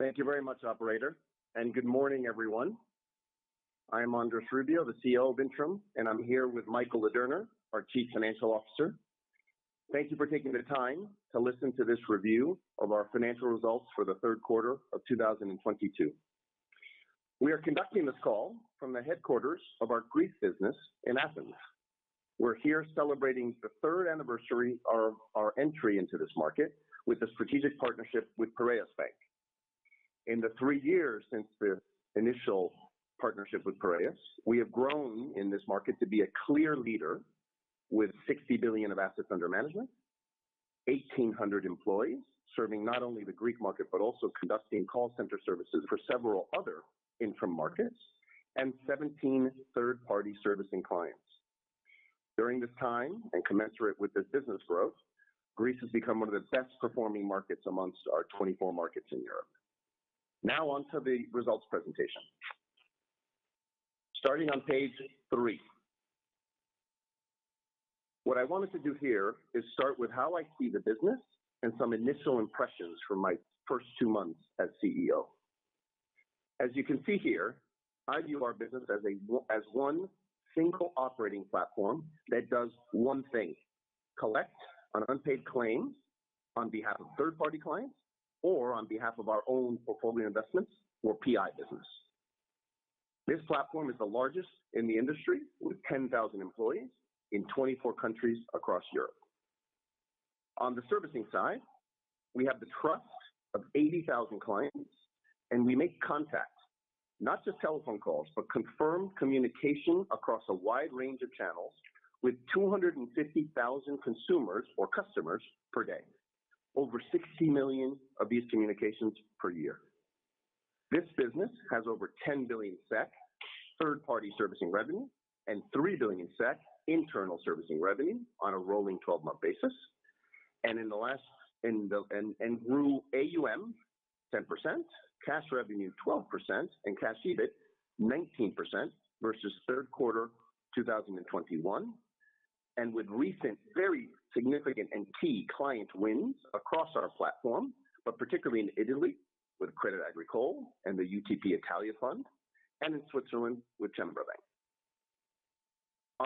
Thank you very much, operator, and good morning, everyone. I am Andrés Rubio, the CEO of Intrum, and I'm here with Michael Ladurner, our Chief Financial Officer. Thank you for taking the time to listen to this review of our financial results for the third quarter of 2022. We are conducting this call from the headquarters of our Greece business in Athens. We're here celebrating the third anniversary of our entry into this market with a strategic partnership with Piraeus Bank. In the three years since the initial partnership with Piraeus, we have grown in this market to be a clear leader with 60 billion of assets under management, 1,800 employees serving not only the Greek market but also conducting call center services for several other Intrum markets, and 17 third-party servicing clients. During this time, and commensurate with this business growth, Greece has become one of the best performing markets among our 24 markets in Europe. Now on to the results presentation. Starting on page three. What I wanted to do here is start with how I see the business and some initial impressions from my first two months as CEO. As you can see here, I view our business as one single operating platform that does one thing, collect on unpaid claims on behalf of third party clients or on behalf of our own portfolio investments or PI business. This platform is the largest in the industry, with 10,000 employees in 24 countries across Europe. On the servicing side, we have the trust of 80,000 clients, and we make contacts, not just telephone calls, but confirmed communication across a wide range of channels with 250,000 consumers or customers per day. Over 60 million of these communications per year. This business has over 10 billion SEK third-party servicing revenue and 3 billion SEK internal servicing revenue on a rolling 12-month basis. Grew AUM 10%, cash revenue 12%, and cash EBIT 19% versus third quarter 2021. With recent very significant and key client wins across our platform, but particularly in Italy with Crédit Agricole and the UTP Italia fund and in Switzerland with Glarner Kantonalbank.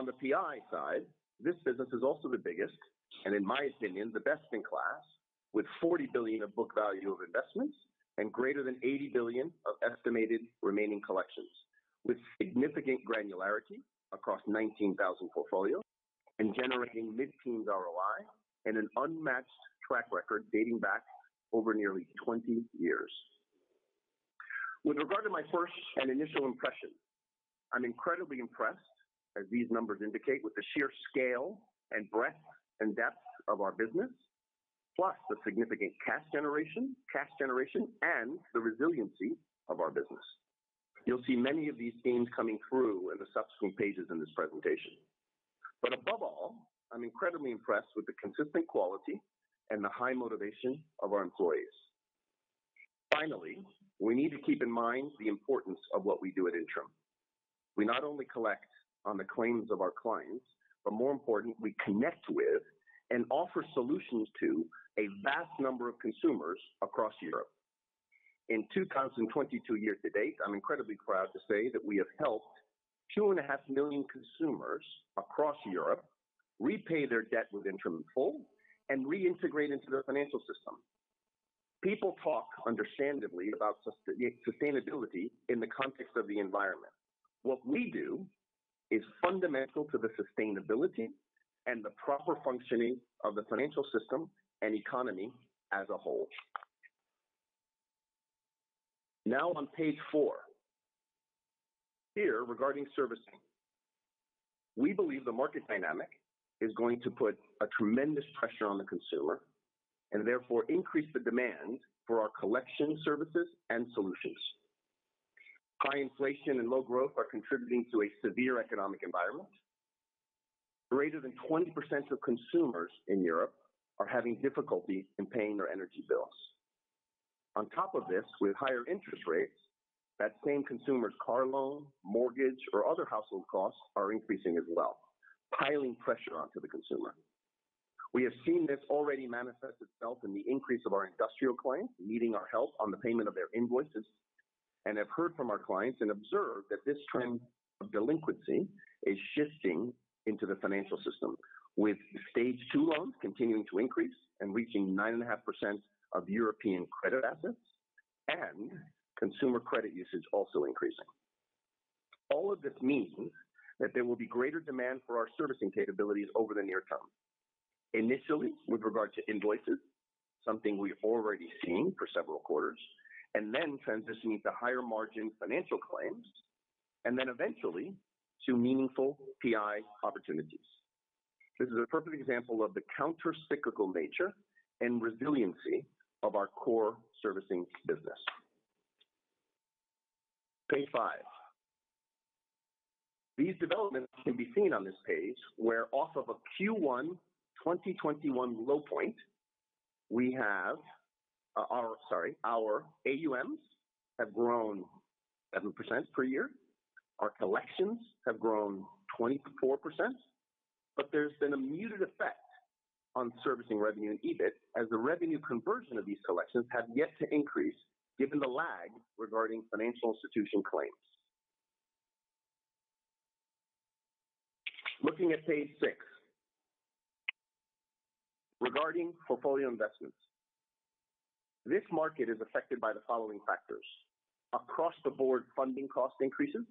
On the PI side, this business is also the biggest and in my opinion, the best in class with 40 billion of book value of investments and greater than 80 billion of estimated remaining collections with significant granularity across 19,000 portfolios and generating mid-teens ROI and an unmatched track record dating back over nearly 20 years. With regard to my first and initial impression, I'm incredibly impressed, as these numbers indicate, with the sheer scale and breadth and depth of our business, plus the significant cash generation and the resiliency of our business. You'll see many of these themes coming through in the subsequent pages in this presentation. Above all, I'm incredibly impressed with the consistent quality and the high motivation of our employees. Finally, we need to keep in mind the importance of what we do at Intrum. We not only collect on the claims of our clients, but more importantly, we connect with and offer solutions to a vast number of consumers across Europe. In 2022 year to date, I'm incredibly proud to say that we have helped 2.5 million consumers across Europe repay their debt with Intrum in full and reintegrate into their financial system. People talk understandably about sustainability in the context of the environment. What we do is fundamental to the sustainability and the proper functioning of the financial system and economy as a whole. Now on page four. Here, regarding servicing. We believe the market dynamic is going to put a tremendous pressure on the consumer and therefore increase the demand for our collection services and solutions. High inflation and low growth are contributing to a severe economic environment. Greater than 20% of consumers in Europe are having difficulty in paying their energy bills. On top of this, with higher interest rates, that same consumer's car loan, mortgage, or other household costs are increasing as well, piling pressure onto the consumer. We have seen this already manifest itself in the increase of our industrial clients needing our help on the payment of their invoices, and have heard from our clients and observed that this trend of delinquency is shifting into the financial system, with Stage 2 loans continuing to increase and reaching 9.5% of European credit assets and consumer credit usage also increasing. All of this means that there will be greater demand for our servicing capabilities over the near term. Initially with regard to invoices, something we've already seen for several quarters, and then transitioning to higher margin financial claims, and then eventually to meaningful PI opportunities. This is a perfect example of the counter-cyclical nature and resiliency of our core servicing business. Page five. These developments can be seen on this page where off of a Q1 2021 low point, our AUMs have grown 7% per year. Our collections have grown 24%. But there's been a muted effect on servicing revenue and EBIT as the revenue conversion of these collections have yet to increase given the lag regarding financial institution claims. Looking at page six. Regarding portfolio investments. This market is affected by the following factors. Across the board funding cost increases,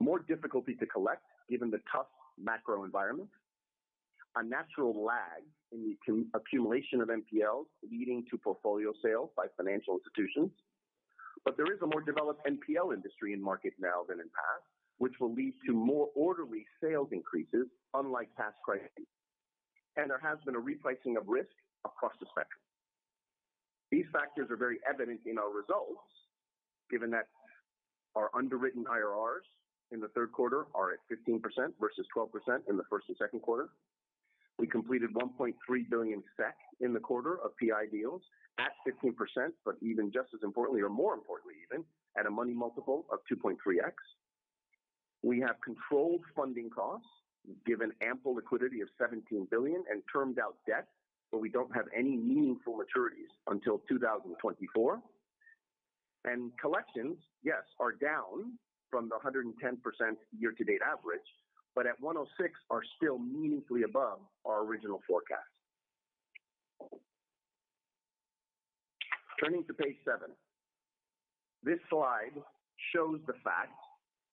more difficulty to collect given the tough macro environment, a natural lag in the accumulation of NPLs leading to portfolio sales by financial institutions. There is a more developed NPL industry in the market now than in the past, which will lead to more orderly sales increases unlike past crises. There has been a repricing of risk across the spectrum. These factors are very evident in our results given that our underwritten IRRs in the third quarter are at 15% versus 12% in the first and second quarter. We completed 1.3 billion SEK in the quarter of PI deals at 15% but even just as importantly or more importantly even, at a money multiple of 2.3x. We have controlled funding costs given ample liquidity of 17 billion and termed out debt, but we don't have any meaningful maturities until 2024. Collections, yes, are down from the 110% year-to-date average, but at 106% are still meaningfully above our original forecast. Turning to page seven. This slide shows the fact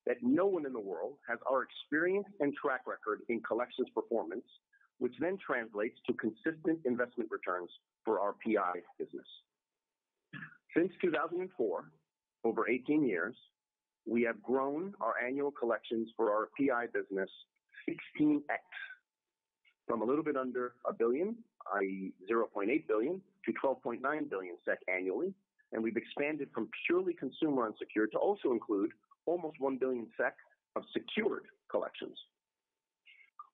that no one in the world has our experience and track record in collections performance, which then translates to consistent investment returns for our PI business. Since 2004, over 18 years, we have grown our annual collections for our PI business 16x from a little bit under a billion, i.e., 0.8 billion to 12.9 billion SEK annually, and we've expanded from purely consumer unsecured to also include almost 1 billion SEK of secured collections.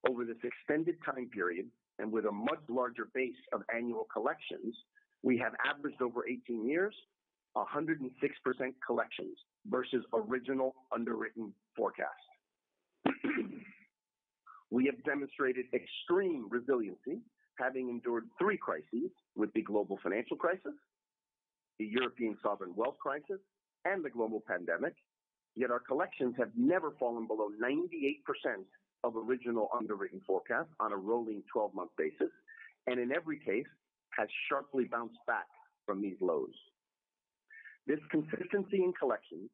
Over this extended time period and with a much larger base of annual collections, we have averaged over 18 years 106% collections versus original underwritten forecast. We have demonstrated extreme resiliency, having endured three crises with the global financial crisis, the European sovereign debt crisis, and the global pandemic. Yet our collections have never fallen below 98% of original underwritten forecast on a rolling twelve-month basis, and in every case, has sharply bounced back from these lows. This consistency in collections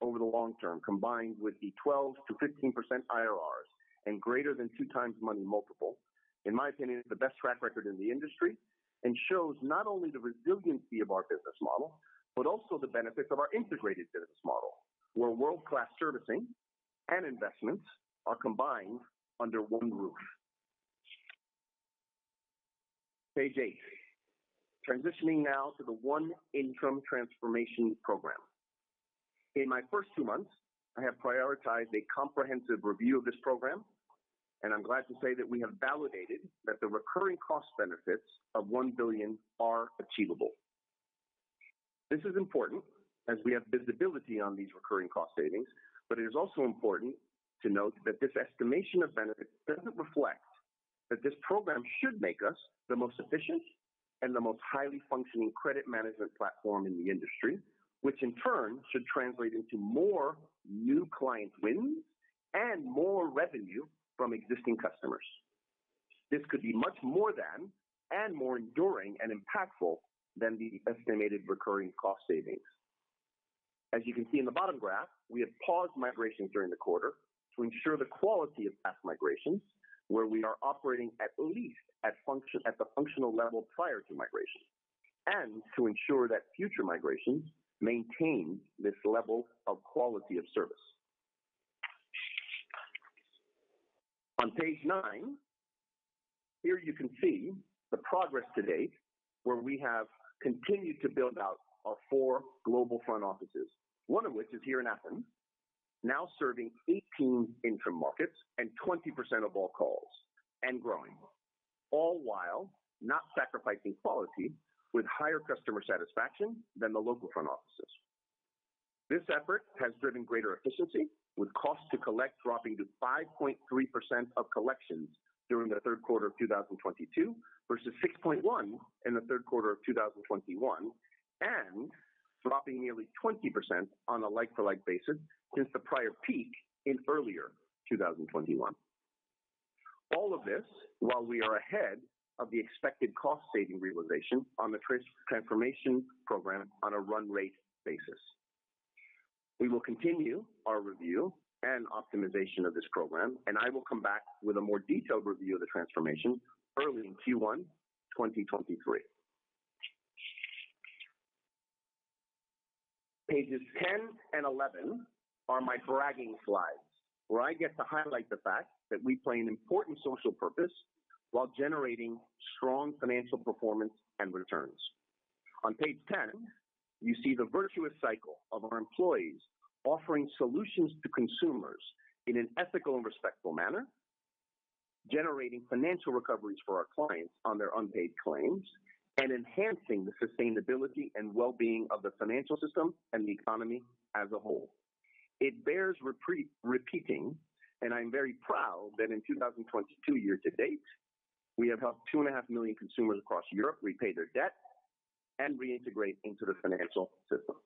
over the long term, combined with the 12%-15% IRRs and greater than 2x money multiple, in my opinion is the best track record in the industry and shows not only the resiliency of our business model, but also the benefits of our integrated business model, where world-class servicing and investments are combined under one roof. Page eight. Transitioning now to the One Intrum transformation program. In my first two months, I have prioritized a comprehensive review of this program, and I'm glad to say that we have validated that the recurring cost benefits of 1 billion are achievable. This is important as we have visibility on these recurring cost savings, but it is also important to note that this estimation of benefits doesn't reflect that this program should make us the most efficient and the most highly functioning credit management platform in the industry, which in turn should translate into more new client wins and more revenue from existing customers. This could be much more than and more enduring and impactful than the estimated recurring cost savings. As you can see in the bottom graph, we have paused migration during the quarter to ensure the quality of past migrations where we are operating at least at the functional level prior to migration, and to ensure that future migrations maintain this level of quality of service. On page 9, here you can see the progress to date where we have continued to build out our four global front offices, one of which is here in Athens, now serving 18 Intrum markets and 20% of all calls and growing, all while not sacrificing quality with higher customer satisfaction than the local front offices. This effort has driven greater efficiency with cost to collect dropping to 5.3% of collections during the third quarter of 2022 versus 6.1% in the third quarter of 2021 and dropping nearly 20% on a like-for-like basis since the prior peak in earlier 2021. All of this while we are ahead of the expected cost saving realization on the transformation program on a run rate basis. We will continue our review and optimization of this program, and I will come back with a more detailed review of the transformation early in Q1 2023. Pages 10 and 11 are my bragging slides where I get to highlight the fact that we play an important social purpose while generating strong financial performance and returns. On page 10, you see the virtuous cycle of our employees offering solutions to consumers in an ethical and respectful manner, generating financial recoveries for our clients on their unpaid claims. Enhancing the sustainability and well-being of the financial system and the economy as a whole. It bears repeating, and I'm very proud that in 2022 year-to -ate, we have helped 2.5 million consumers across Europe repay their debt and reintegrate into the financial system.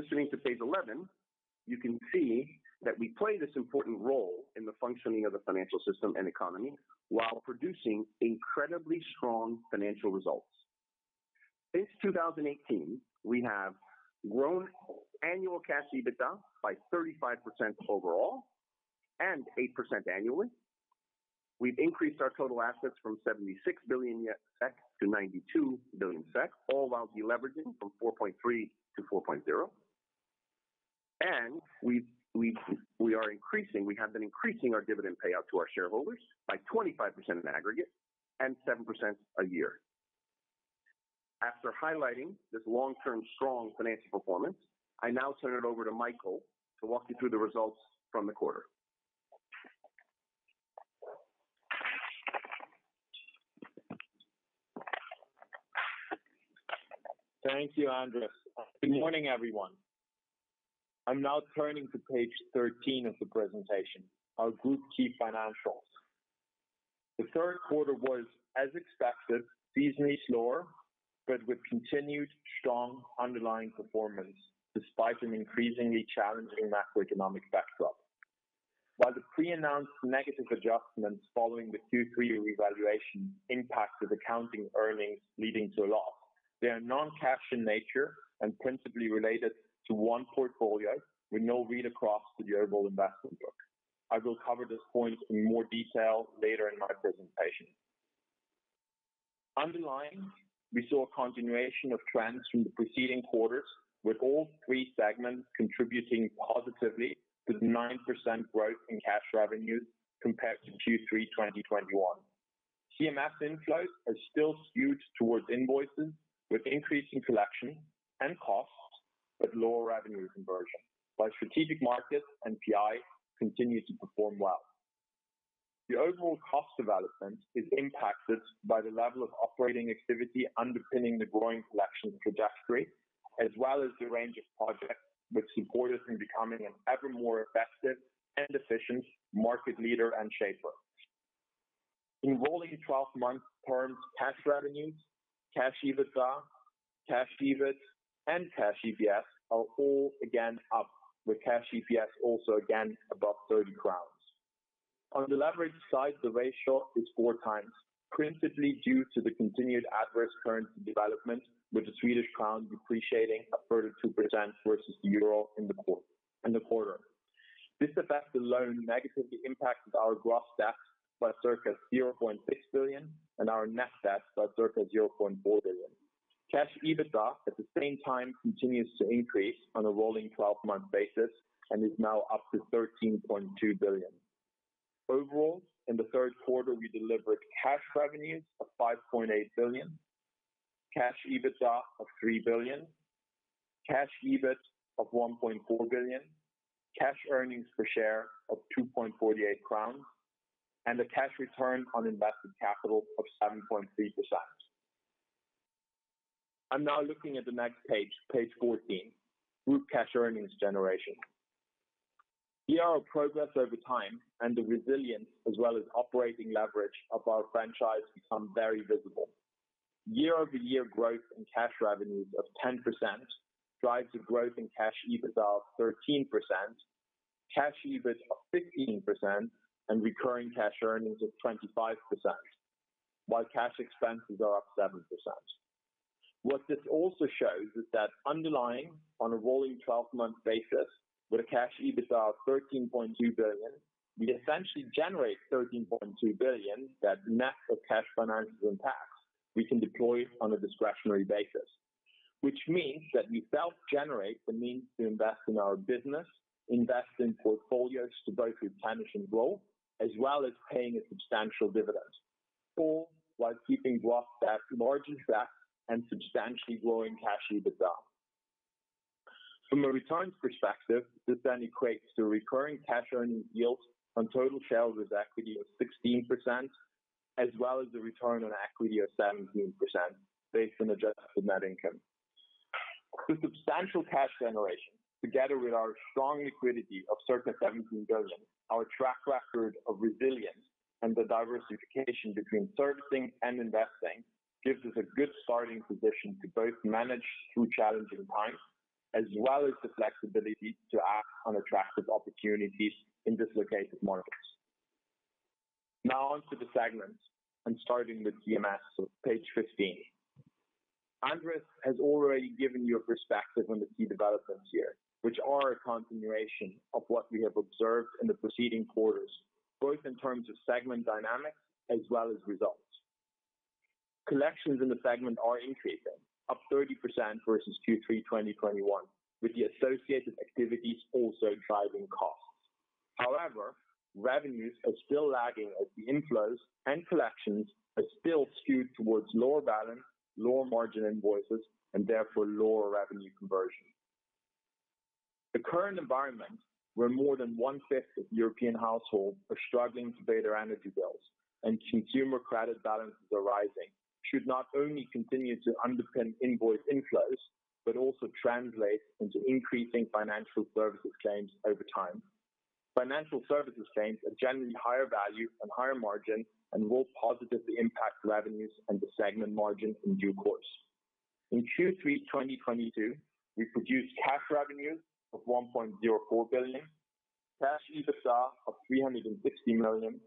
Listening to page 11, you can see that we play this important role in the functioning of the financial system and economy while producing incredibly strong financial results. Since 2018, we have grown annual Cash EBITDA by 35% overall and 8% annually. We've increased our total assets from 76 billion-92 billion, all while deleveraging from 4.3-4.0. We have been increasing our dividend payout to our shareholders by 25% in aggregate and 7% a year. After highlighting this long-term strong financial performance, I now turn it over to Michael to walk you through the results from the quarter. Thank you, Andrés. Good morning, everyone. I'm now turning to page 13 of the presentation, our group key financials. The third quarter was as expected, seasonally slower, but with continued strong underlying performance despite an increasingly challenging macroeconomic backdrop. While the pre-announced negative adjustments following the Q3 revaluation impacted accounting earnings leading to a loss, they are non-cash in nature and principally related to one portfolio with no read across the overall investment book. I will cover this point in more detail later in my presentation. Underlying, we saw a continuation of trends from the preceding quarters with all three segments contributing positively with 9% growth in cash revenues compared to Q3 2021. CMS inflows are still skewed towards invoices with increase in collection and costs, but lower revenue conversion while strategic markets and PI continue to perform well. The overall cost development is impacted by the level of operating activity underpinning the growing collection trajectory, as well as the range of projects which support us in becoming an ever more effective and efficient market leader and shaper. In rolling twelve-month terms, cash revenues, cash EBITDA, cash EBIT and cash EPS are all again up with cash EPS also again above 30 crowns. On the leverage side, the ratio is 4x, principally due to the continued adverse currency development with the Swedish crown depreciating a further 2% versus the euro in the quarter. This effect alone negatively impacted our gross debt by circa 0.6 billion and our net debt by circa 0.4 billion. Cash EBITDA at the same time continues to increase on a rolling twelve-month basis and is now up to SEK 13.2 billion. Overall, in the third quarter we delivered cash revenues of SEK 5.8 billion, Cash EBITDA of SEK 3 billion, Cash EBIT of SEK 1.4 billion, cash EPS of 2.48 crowns, and a Cash RoIC of 7.3%. I'm now looking at the next page 14, group cash earnings generation. Here our progress over time and the resilience as well as operating leverage of our franchise become very visible. Year-over-year growth in cash revenues of 10% drives a growth in Cash EBITDA of 13%, Cash EBIT of 15%, and recurring cash earnings of 25%, while cash expenses are up 7%. What this also shows is that underlying on a rolling twelve-month basis with a Cash EBITDA of 13.2 billion, we essentially generate 13.2 billion that net of cash finances and tax we can deploy on a discretionary basis. Which means that we self-generate the means to invest in our business, invest in portfolios to both replenish and grow, as well as paying a substantial dividend. All while keeping gross debt large in fact and substantially growing Cash EBITDA. From a returns perspective, this then equates to recurring cash earnings yield on total shareholders equity of 16% as well as the return on equity of 17% based on adjusted net income. The substantial cash generation together with our strong liquidity of circa 17 billion, our track record of resilience and the diversification between servicing and investing gives us a good starting position to both manage through challenging times as well as the flexibility to act on attractive opportunities in dislocated markets. Now on to the segments and starting with GMS of page 15. Andrés has already given you a perspective on the key developments here which are a continuation of what we have observed in the preceding quarters, both in terms of segment dynamics as well as results. Collections in the segment are increasing up 30% versus Q3 2021 with the associated activities also driving costs. However, revenues are still lagging as the inflows and collections are still skewed towards lower balance, lower margin invoices and therefore lower revenue conversion. The current environment, where more than one-fifth of European households are struggling to pay their energy bills and consumer credit balances are rising, should not only continue to underpin invoice inflows, but also translate into increasing financial services claims over time. Financial services claims are generally higher value and higher margin and will positively impact revenues and the segment margin in due course. In Q3 2022, we produced Cash revenues of 1.04 billion, Cash EBITDA of 360 million,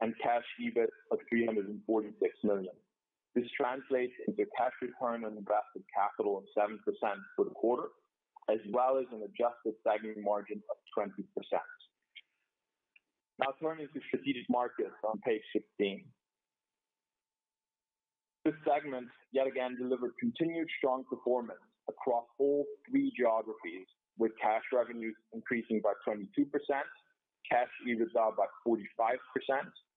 and Cash EBIT of 346 million. This translates into Cash RoIC of 7% for the quarter, as well as an adjusted segment margin of 20%. Now turning to strategic markets on page 16. This segment yet again delivered continued strong performance across all three geographies, with cash revenues increasing by 22%, cash EBITDA by 45%,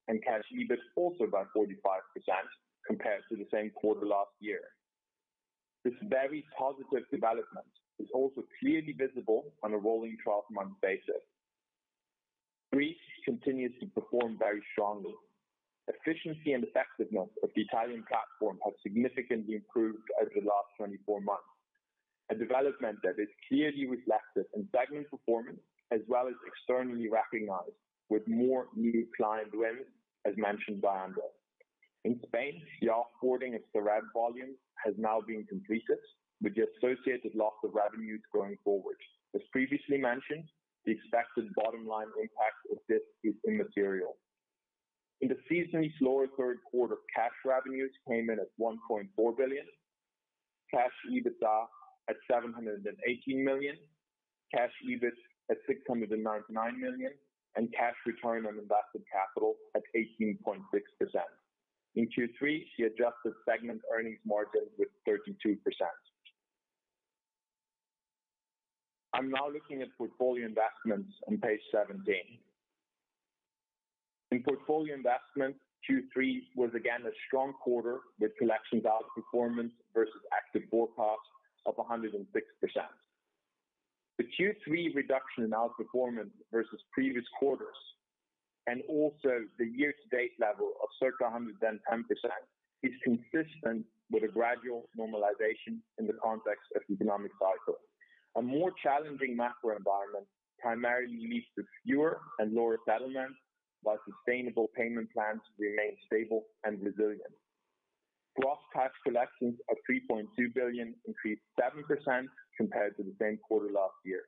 and cash EBIT also by 45% compared to the same quarter last year. This very positive development is also clearly visible on a rolling 12-month basis. Greece continues to perform very strongly. Efficiency and effectiveness of the Italian platform has significantly improved over the last 24 months. A development that is clearly reflected in segment performance as well as externally recognized with more new client wins, as mentioned by Andrés. In Spain, the offboarding of the RAD volume has now been completed with the associated loss of revenues going forward. As previously mentioned, the expected bottom line impact of this is immaterial. In the seasonally slower third quarter, cash revenues came in at 1.4 billion, Cash EBITDA at 718 million, Cash EBIT at 699 million, and Cash RoIC at 18.6%. In Q3, the adjusted segment earnings margin was 32%. I'm now looking at portfolio investments on page 17. In portfolio investment, Q3 was again a strong quarter with collection outperformance versus active forecast of 106%. The Q3 reduction in outperformance versus previous quarters and also the year-to-date level of circa 110% is consistent with a gradual normalization in the context of economic cycle. A more challenging macro environment primarily leads to fewer and lower settlements, while sustainable payment plans remain stable and resilient. Gross cash collections of 3.2 billion increased 7% compared to the same quarter last year.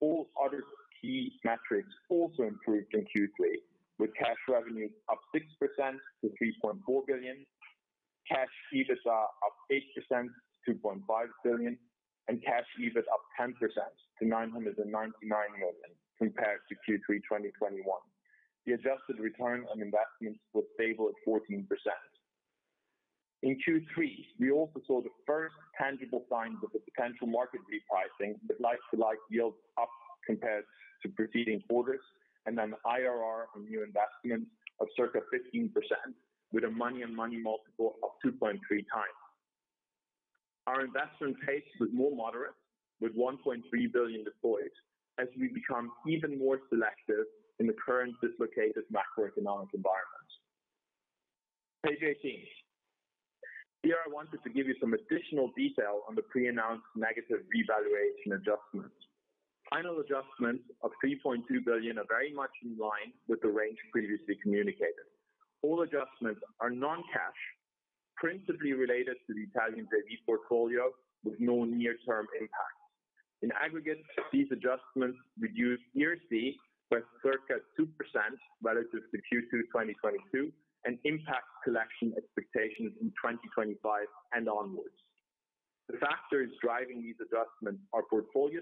All other key metrics also improved in Q3, with cash revenue up 6% to 3.4 billion, cash EBITDA up 8% to 2.5 billion, and cash EBIT up 10% to 999 million compared to Q3 2021. The adjusted return on investments was stable at 14%. In Q3, we also saw the first tangible signs of the potential market repricing with like-for-like yields up compared to preceding quarters and an IRR on new investments of circa 15% with a money multiple of 2.3x. Our investment pace was more moderate with 1.3 billion deployed as we become even more selective in the current dislocated macroeconomic environment. Page 18. Here I wanted to give you some additional detail on the pre-announced negative revaluation adjustments. Final adjustments of 3.2 billion are very much in line with the range previously communicated. All adjustments are non-cash, principally related to the Italian PV portfolio with no near-term impact. In aggregate, these adjustments reduce ERC by circa 2% relative to Q2 2022 and impact collection expectations in 2025 and onwards. The factors driving these adjustments are portfolio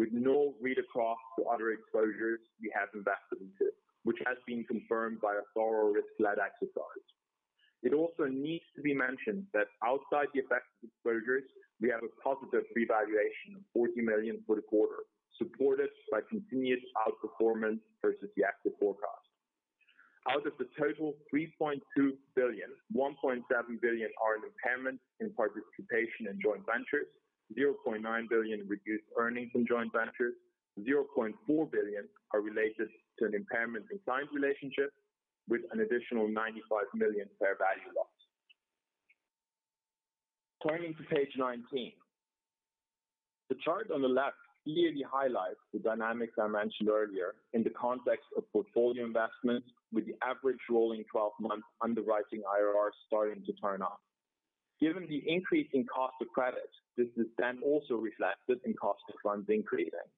specific with no read across to other exposures we have invested into, which has been confirmed by a thorough risk-led exercise. It also needs to be mentioned that outside the effect of exposures, we have a positive revaluation of 40 million for the quarter, supported by continuous outperformance versus the actuarial forecast. Out of the total 3.2 billion, 1.7 billion are an impairment in participation in joint ventures. 0.9 billion reduced earnings from joint ventures. 0.4 billion are related to an impairment in client relationship with an additional 95 million fair value loss. Turning to page 19. The chart on the left clearly highlights the dynamics I mentioned earlier in the context of portfolio investments with the average rolling 12-month underwriting IRR starting to turn up. Given the increase in cost of credit, this is then also reflected in cost of funds increasing.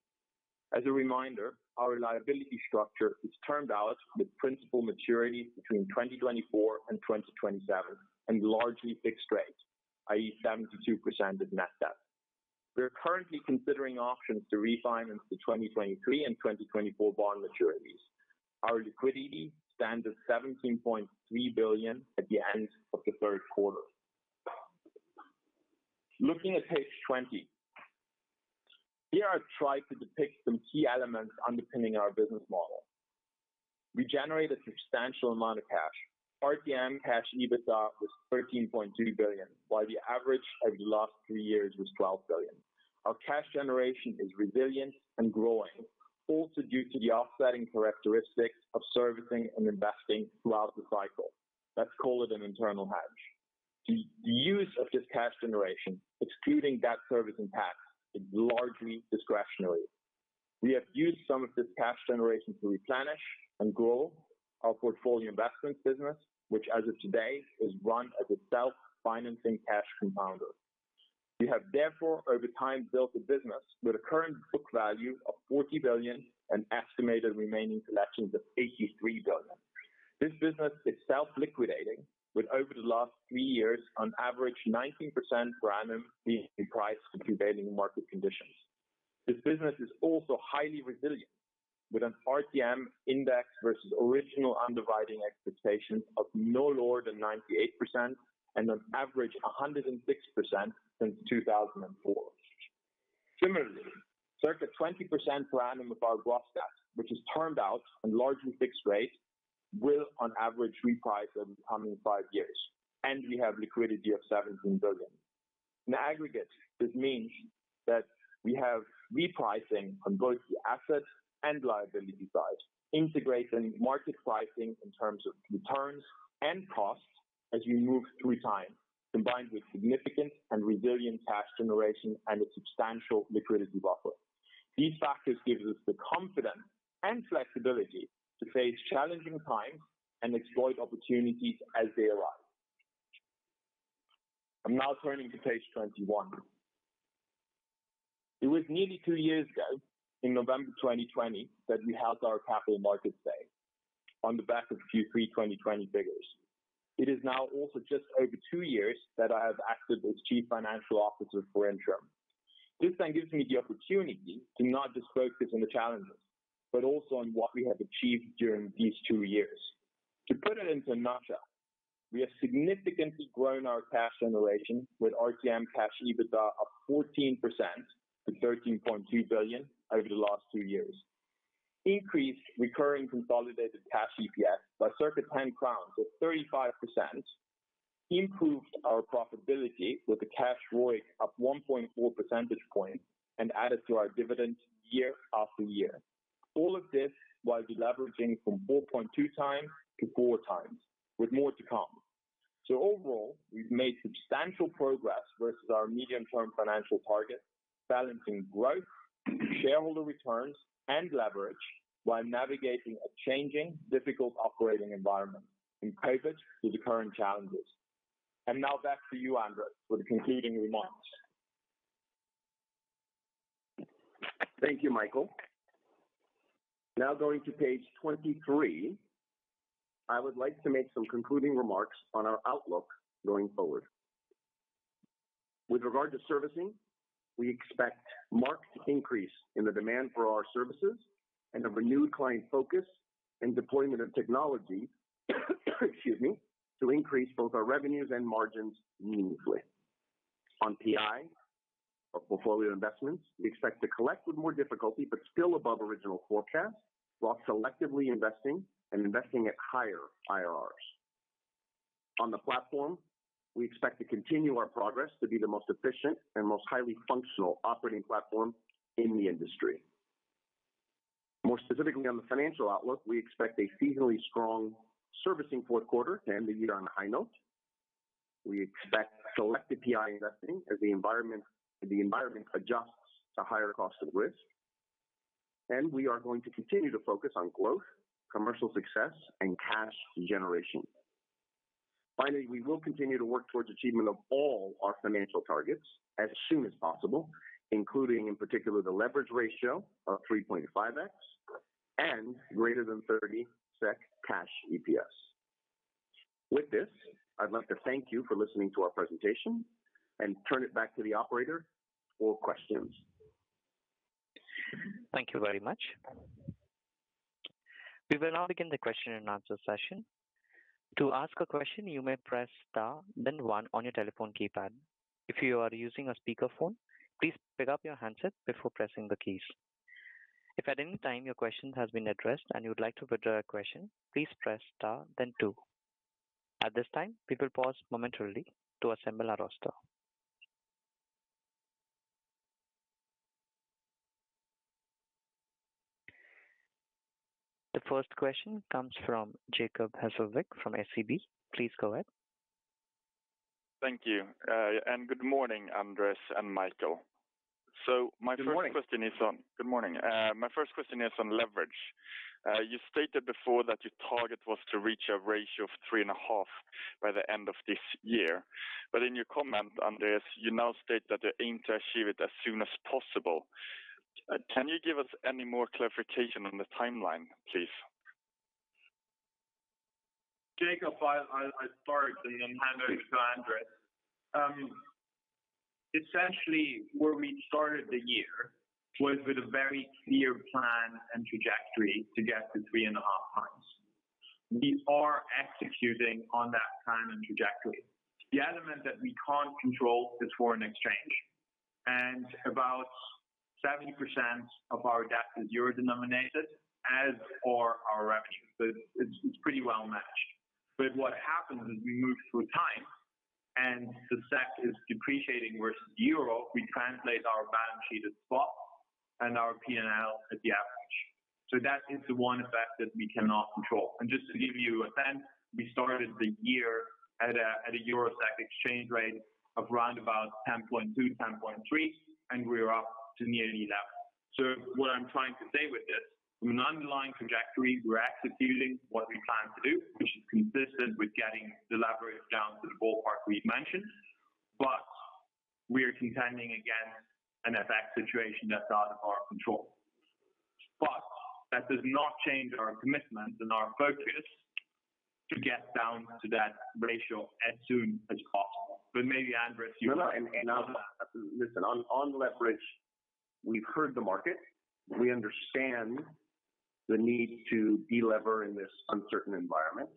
As a reminder, our liability structure is turned out with principal maturities between 2024 and 2027 and largely fixed rates, i.e., 72% of net debt. We are currently considering options to refinance the 2023 and 2024 bond maturities. Our liquidity stands at 17.3 billion at the end of the third quarter. Looking at page 20. Here I tried to depict some key elements underpinning our business model. We generate a substantial amount of cash. RTM Cash EBITDA was 13.2 billion, while the average over the last three years was 12 billion. Our cash generation is resilient and growing, also due to the offsetting characteristics of servicing and investing throughout the cycle. Let's call it an internal hedge. The use of this cash generation, excluding debt service impact, is largely discretionary. We have used some of this cash generation to replenish and grow our portfolio investment business, which as of today is run as a self-financing cash compounder. We have therefore, over time, built a business with a current book value of 40 billion and estimated remaining collections of 83 billion. This business is self-liquidating with over the last three years on average 19% per annum being priced to prevailing market conditions. This business is also highly resilient, with an RTM index versus original underwriting expectations of no lower than 98% and on average 106% since 2004. Similarly, circa 20% per annum of our gross debt, which is termed out on largely fixed rate, will on average reprice over the coming five years, and we have liquidity of 17 billion. In aggregate, this means that we have repricing on both the asset and liability side, integrating market pricing in terms of returns and costs as we move through time, combined with significant and resilient cash generation and a substantial liquidity buffer. These factors gives us the confidence and flexibility to face challenging times and exploit opportunities as they arise. I'm now turning to page 21. It was nearly two years ago in November 2020 that we held our capital markets day on the back of Q3 2020 figures. It is now also just over two years that I have acted as chief financial officer for Intrum. This then gives me the opportunity to not just focus on the challenges, but also on what we have achieved during these two years. To put it into a nutshell, we have significantly grown our cash generation with RTM cash EBITDA up 14% to 13.2 billion over the last two years. Increased recurring consolidated cash EPS by circa 10 crowns or 35%. Improved our profitability with a cash ROIC up 1.4 percentage points and added to our dividend year after year. All of this while deleveraging from 4.2x-4x with more to come. Overall, we've made substantial progress versus our medium-term financial target, balancing growth, shareholder returns, and leverage while navigating a challenging difficult operating environment and adapted to the current challenges. Now back to you, Andrés, for the concluding remarks. Thank you, Michael. Now going to page 23. I would like to make some concluding remarks on our outlook going forward. With regard to servicing, we expect marked increase in the demand for our services and a renewed client focus and deployment of technology, excuse me, to increase both our revenues and margins meaningfully. On PI or portfolio investments, we expect to collect with more difficulty but still above original forecasts, while selectively investing and investing at higher IRRs. On the platform, we expect to continue our progress to be the most efficient and most highly functional operating platform in the industry. More specifically on the financial outlook, we expect a seasonally strong servicing fourth quarter to end the year on a high note. We expect selective PI investing as the environment adjusts to higher cost of risk. We are going to continue to focus on growth, commercial success and cash generation. Finally, we will continue to work towards achievement of all our financial targets as soon as possible, including in particular the leverage ratio of 3.5x and greater than 3 SEK cash EPS. With this, I'd love to thank you for listening to our presentation and turn it back to the operator for questions. Thank you very much. We will now begin the question-and-answer session. To ask a question, you may press star then one on your telephone keypad. If you are using a speakerphone, please pick up your handset before pressing the keys. If at any time your question has been addressed and you would like to withdraw your question, please press star then two. At this time, we will pause momentarily to assemble our roster. The first question comes from Jacob Hesslevik from SEB. Please go ahead. Thank you. Good morning, Andrés and Michael. Good morning. Good morning. My first question is on leverage. You stated before that your target was to reach a ratio of 3.5 by the end of this year. In your comment, Andrés, you now state that you aim to achieve it as soon as possible. Can you give us any more clarification on the timeline, please? Jacob, I start and then hand over to Andrés. Essentially, where we started the year was with a very clear plan and trajectory to get to 3.5x. We are executing on that plan and trajectory. The element that we can't control is foreign exchange. About 70% of our debt is euro-denominated, as for our revenue. It's pretty well matched. What happens as we move through time and the SEK is depreciating versus euro, we translate our balance sheet at spot and our P&L at the average. That is the one effect that we cannot control. Just to give you a sense, we started the year at a EUR/SEK exchange rate of round about 10.2, 10.3, and we're up to nearly 11. What I'm trying to say with this, from an underlying trajectory, we're executing what we plan to do, which is consistent with getting the leverage down to the ballpark we've mentioned. We're contending against an FX situation that's out of our control. That does not change our commitment and our focus to get down to that ratio as soon as possible. Maybe, Andrés, you can add to that. No, Listen, on leverage, we've heard the market. We understand the need to delever in this uncertain environment.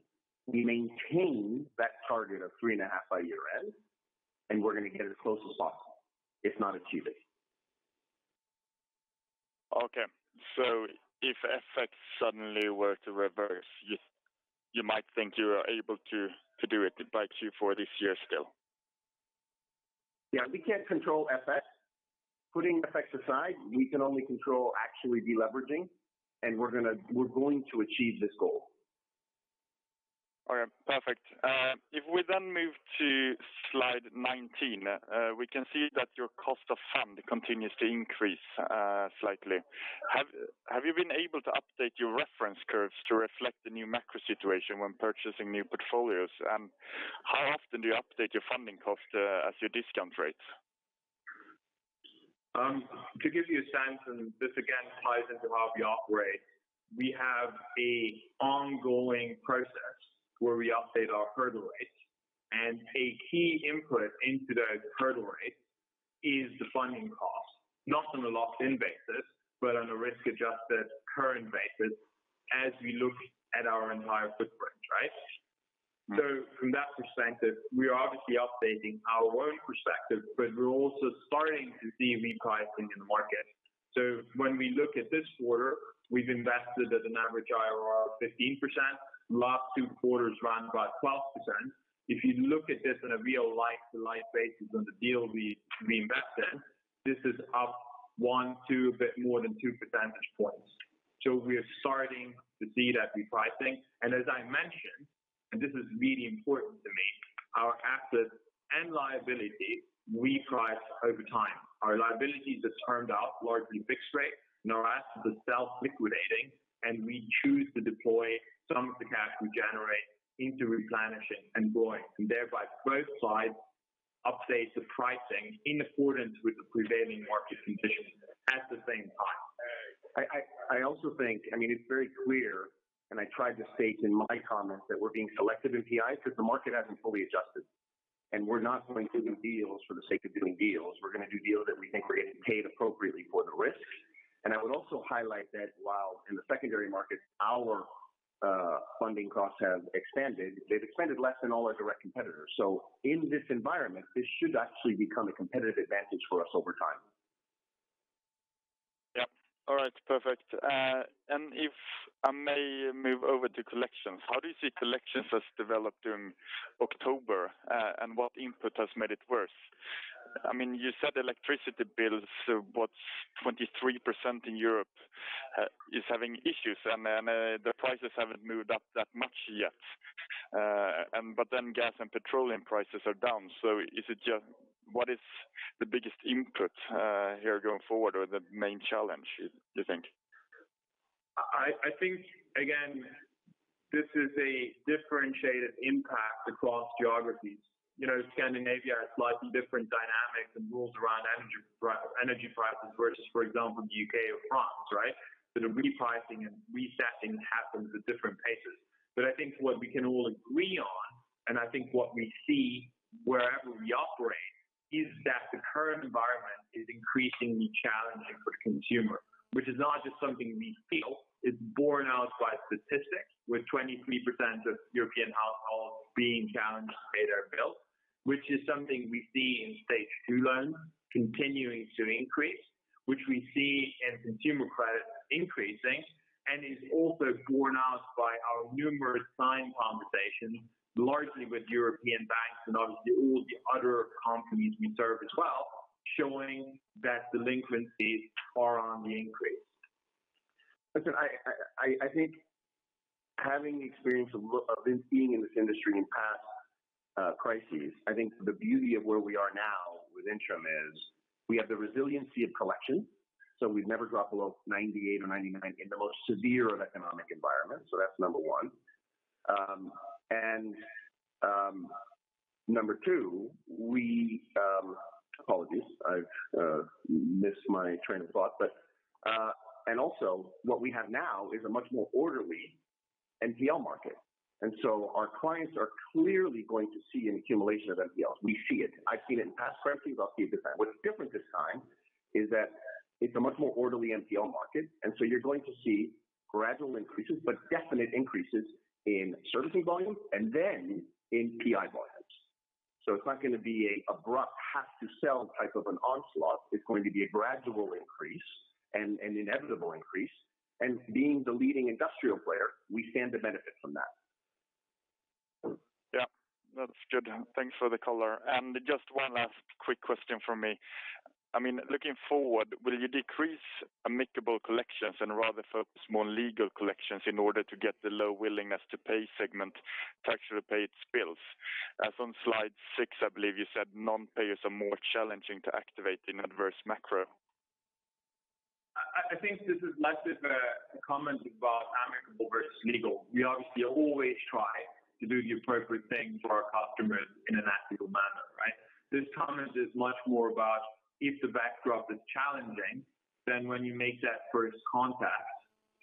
We maintain that target of 3.5 by year-end, and we're gonna get as close as possible, if not achieve it. Okay. If FX suddenly were to reverse, you might think you are able to do it by Q4 this year still? Yeah, we can't control FX. Putting FX aside, we can only control actually de-leveraging, and we're going to achieve this goal. Okay. Perfect. If we then move to slide 19, we can see that your cost of funds continues to increase slightly. Have you been able to update your reference curves to reflect the new macro situation when purchasing new portfolios? And how often do you update your funding cost and your discount rates? To give you a sense, and this again ties into how we operate, we have an ongoing process where we update our hurdle rates, and a key input into those hurdle rates is the funding cost, not on a locked-in basis, but on a risk-adjusted current basis as we look at our entire footprint, right? From that perspective, we are obviously updating our own perspective, but we're also starting to see repricing in the market. When we look at this quarter, we've invested at an average IRR of 15%, last two quarters round about 12%. If you look at this in a real like-to-like basis on the deals we invest in, this is up one to a bit more than two percentage points. We are starting to see that repricing. As I mentioned, and this is really important to me, our assets and liability reprice over time. Our liabilities are termed out largely fixed rate, and our assets are self-liquidating, and we choose to deploy some of the cash we generate into replenishing and growing, and thereby both sides update the pricing in accordance with the prevailing market conditions at the same time. I also think. I mean, it's very clear, and I tried to state in my comments that we're being selective in PI because the market hasn't fully adjusted, and we're not going to do deals for the sake of doing deals. We're gonna do deals that we think we're getting paid appropriately for the risks. I would also highlight that while in the secondary market our funding costs have expanded, they've expanded less than all our direct competitors. In this environment, this should actually become a competitive advantage for us over time. Yeah. All right. Perfect. If I may move over to collections. How do you see collections has developed in October, and what input has made it worse? I mean, you said electricity bills, so what's 23% in Europe is having issues, and then, the prices haven't moved up that much yet. But then gas and petroleum prices are down. Is it just what is the biggest input here going forward or the main challenge you think? I think, again, this is a differentiated impact across geographies. You know, Scandinavia has slightly different dynamics and rules around energy prices versus, for example, the U.K. or France, right? The repricing and resetting happens at different paces. I think what we can all agree on, and I think what we see wherever we operate, is that the current environment is increasingly challenging for the consumer, which is not just something we feel. It's borne out by statistics, with 23% of European households being challenged to pay their bills, which is something we see in Stage two loans continuing to increase, which we see in consumer credit increasing, and is also borne out by our numerous client conversations, largely with European banks and obviously all the other companies we serve as well, showing that delinquencies are on the increase. Listen, I think having the experience of being in this industry in past crises, I think the beauty of where we are now with Intrum is we have the resiliency of collection. We've never dropped below 98% or 99% in the most severe of economic environments. That's number one. Number two. Apologies, I've missed my train of thought. And also what we have now is a much more orderly NPL market. Our clients are clearly going to see an accumulation of NPLs. We see it. I've seen it in past crises. I'll see it this time. What's different this time is that it's a much more orderly NPL market, and you're going to see gradual increases but definite increases in servicing volume and then in PI volumes. It's not gonna be an abrupt have-to-sell type of an onslaught. It's going to be a gradual increase and inevitable increase. Being the leading industrial player, we stand to benefit from that. Yeah. That's good. Thanks for the color. Just one last quick question from me. I mean, looking forward, will you decrease amicable collections and rather focus more on legal collections in order to get the low willingness to pay segment to actually pay its bills? As on slide six, I believe you said non-payers are more challenging to activate in adverse macro. I think this is less of a comment about amicable versus legal. We obviously always try to do the appropriate thing for our customers in an ethical manner, right? This comment is much more about if the backdrop is challenging, then when you make that first contact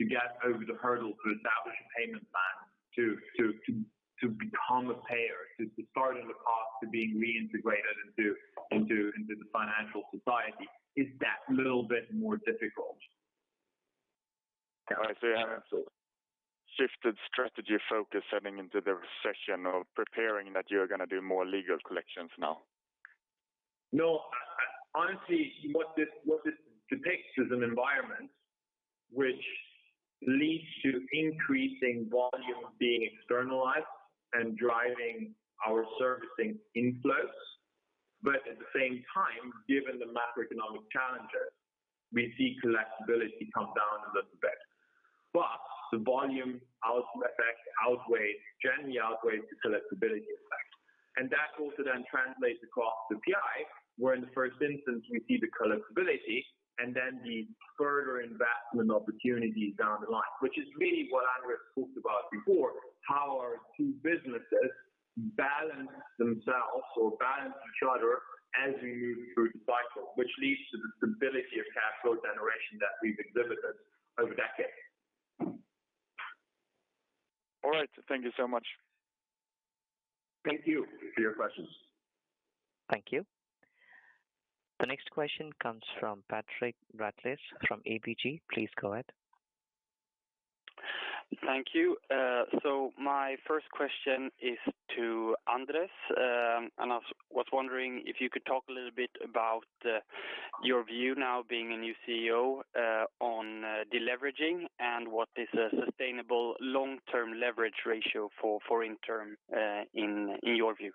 to get over the hurdle to establish a payment plan to become a payer, to start on the path to being reintegrated into the financial society, is that little bit more difficult. I see. Absolutely. Shifted strategy focus heading into the recession of preparing that you're gonna do more legal collections now. No. Honestly, what this depicts is an environment which leads to increasing volume being externalized and driving our servicing inflows. At the same time, given the macroeconomic challenges, we see collectability come down a little bit. The volume out-effect generally outweighs the collectability effect. That also then translates across to PI, where in the first instance we see the collectability and then the further investment opportunities down the line. Which is really what Andrés talked about before, how our two businesses balance themselves or balance each other as we move through the cycle, which leads to the stability of cash flow generation that we've exhibited over decades. All right. Thank you so much. Thank you for your questions. Thank you. The next question comes from Patrik Brattelius from ABG. Please go ahead. Thank you. My first question is to Andrés. I was wondering if you could talk a little bit about your view now being a new CEO on deleveraging and what is a sustainable long-term leverage ratio for Intrum in your view.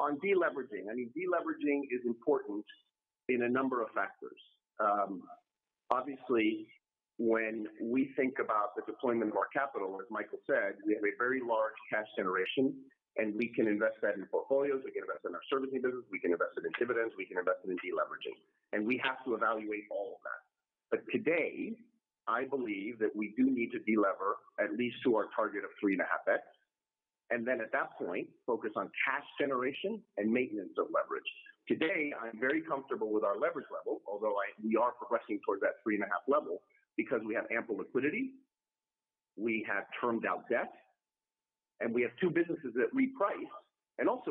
On deleveraging, I mean, deleveraging is important in a number of factors. Obviously, when we think about the deployment of our capital, as Michael said, we have a very large cash generation, and we can invest that in portfolios, we can invest in our servicing business, we can invest it in dividends, we can invest it in deleveraging. We have to evaluate all of that. Today, I believe that we do need to deliver at least to our target of 3.5x, and then at that point, focus on cash generation and maintenance of leverage. Today, I'm very comfortable with our leverage level, although we are progressing towards that 3.5x level because we have ample liquidity, we have termed out debt, and we have two businesses that reprice.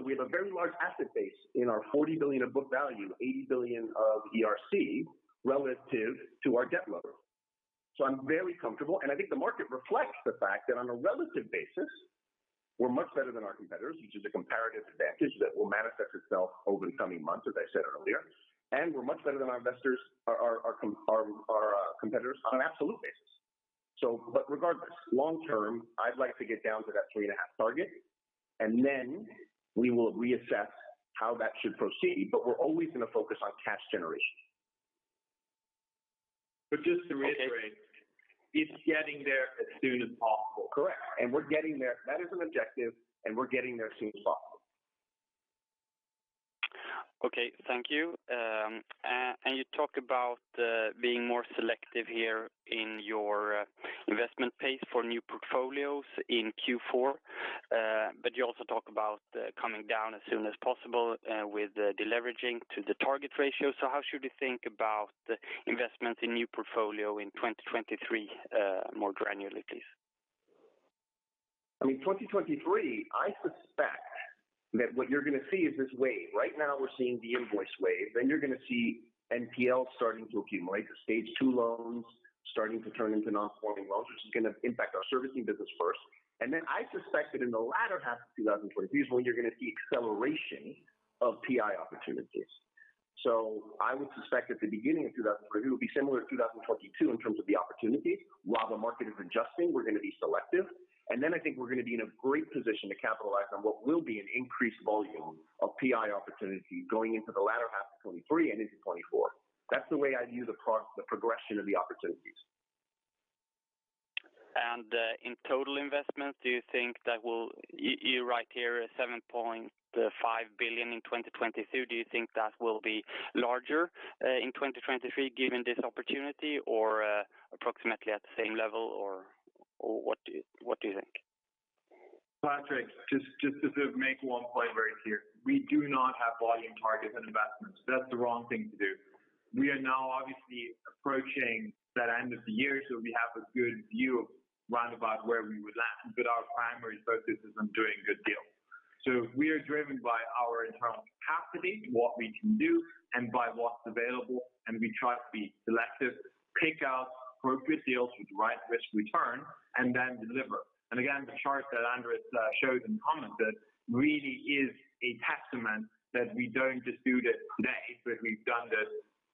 We have a very large asset base in our 40 billion of book value, 80 billion of ERC relative to our debt level. I'm very comfortable, and I think the market reflects the fact that on a relative basis, we're much better than our competitors, which is a comparative advantage that will manifest itself over the coming months, as I said earlier. We're much better than our competitors on an absolute basis. Regardless, long-term, I'd like to get down to that 3.5 target, and then we will reassess how that should proceed. We're always gonna focus on cash generation. Just to reiterate, it's getting there as soon as possible. Correct. We're getting there. That is an objective, and we're getting there as soon as possible. Okay. Thank you. You talk about being more selective here in your investment pace for new portfolios in Q4. You also talk about coming down as soon as possible with the deleveraging to the target ratio. How should we think about investment in new portfolio in 2023, more granular, please? I mean, 2023, I suspect that what you're gonna see is this wave. Right now we're seeing the invoice wave, then you're gonna see NPL starting to accumulate, the Stage 2 loans starting to turn into non-performing loans, which is gonna impact our servicing business first. I suspect that in the latter half of 2023 is when you're gonna see acceleration of PI opportunities. I would suspect at the beginning of 2023, it will be similar to 2022 in terms of the opportunities. While the market is adjusting, we're gonna be selective. I think we're gonna be in a great position to capitalize on what will be an increased volume of PI opportunities going into the latter half of 2023 and into 2024. That's the way I view the progression of the opportunities. In total investments, you write here 7.5 billion in 2022. Do you think that will be larger in 2023 given this opportunity or approximately at the same level or what do you think? Patrik, just to sort of make one point very clear. We do not have volume targets and investments. That's the wrong thing to do. We are now obviously approaching that end of the year, so we have a good view of roundabout where we would land. Our primary focus is on doing good deals. We are driven by our internal capacity, what we can do, and by what's available, and we try to be selective, pick out appropriate deals with the right risk return, and then deliver. Again, the chart that Andrés showed and commented really is a testament that we don't just do that today, but we've done this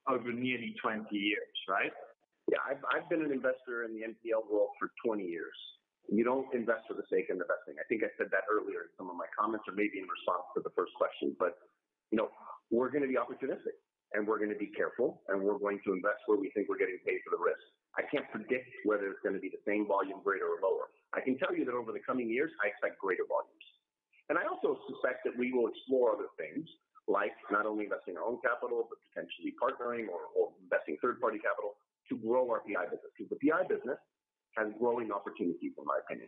over nearly 20 years, right? Yeah. I've been an investor in the NPL world for 20 years. You don't invest for the sake of investing. I think I said that earlier in some of my comments or maybe in response to the first question. You know, we're gonna be opportunistic, and we're gonna be careful, and we're going to invest where we think we're getting paid for the risk. I can't predict whether it's gonna be the same volume, greater or lower. I can tell you that over the coming years, I expect greater volumes. I also suspect that we will explore other things, like not only investing our own capital, but potentially partnering or investing third-party capital to grow our PI business. Because the PI business has growing opportunities in my opinion.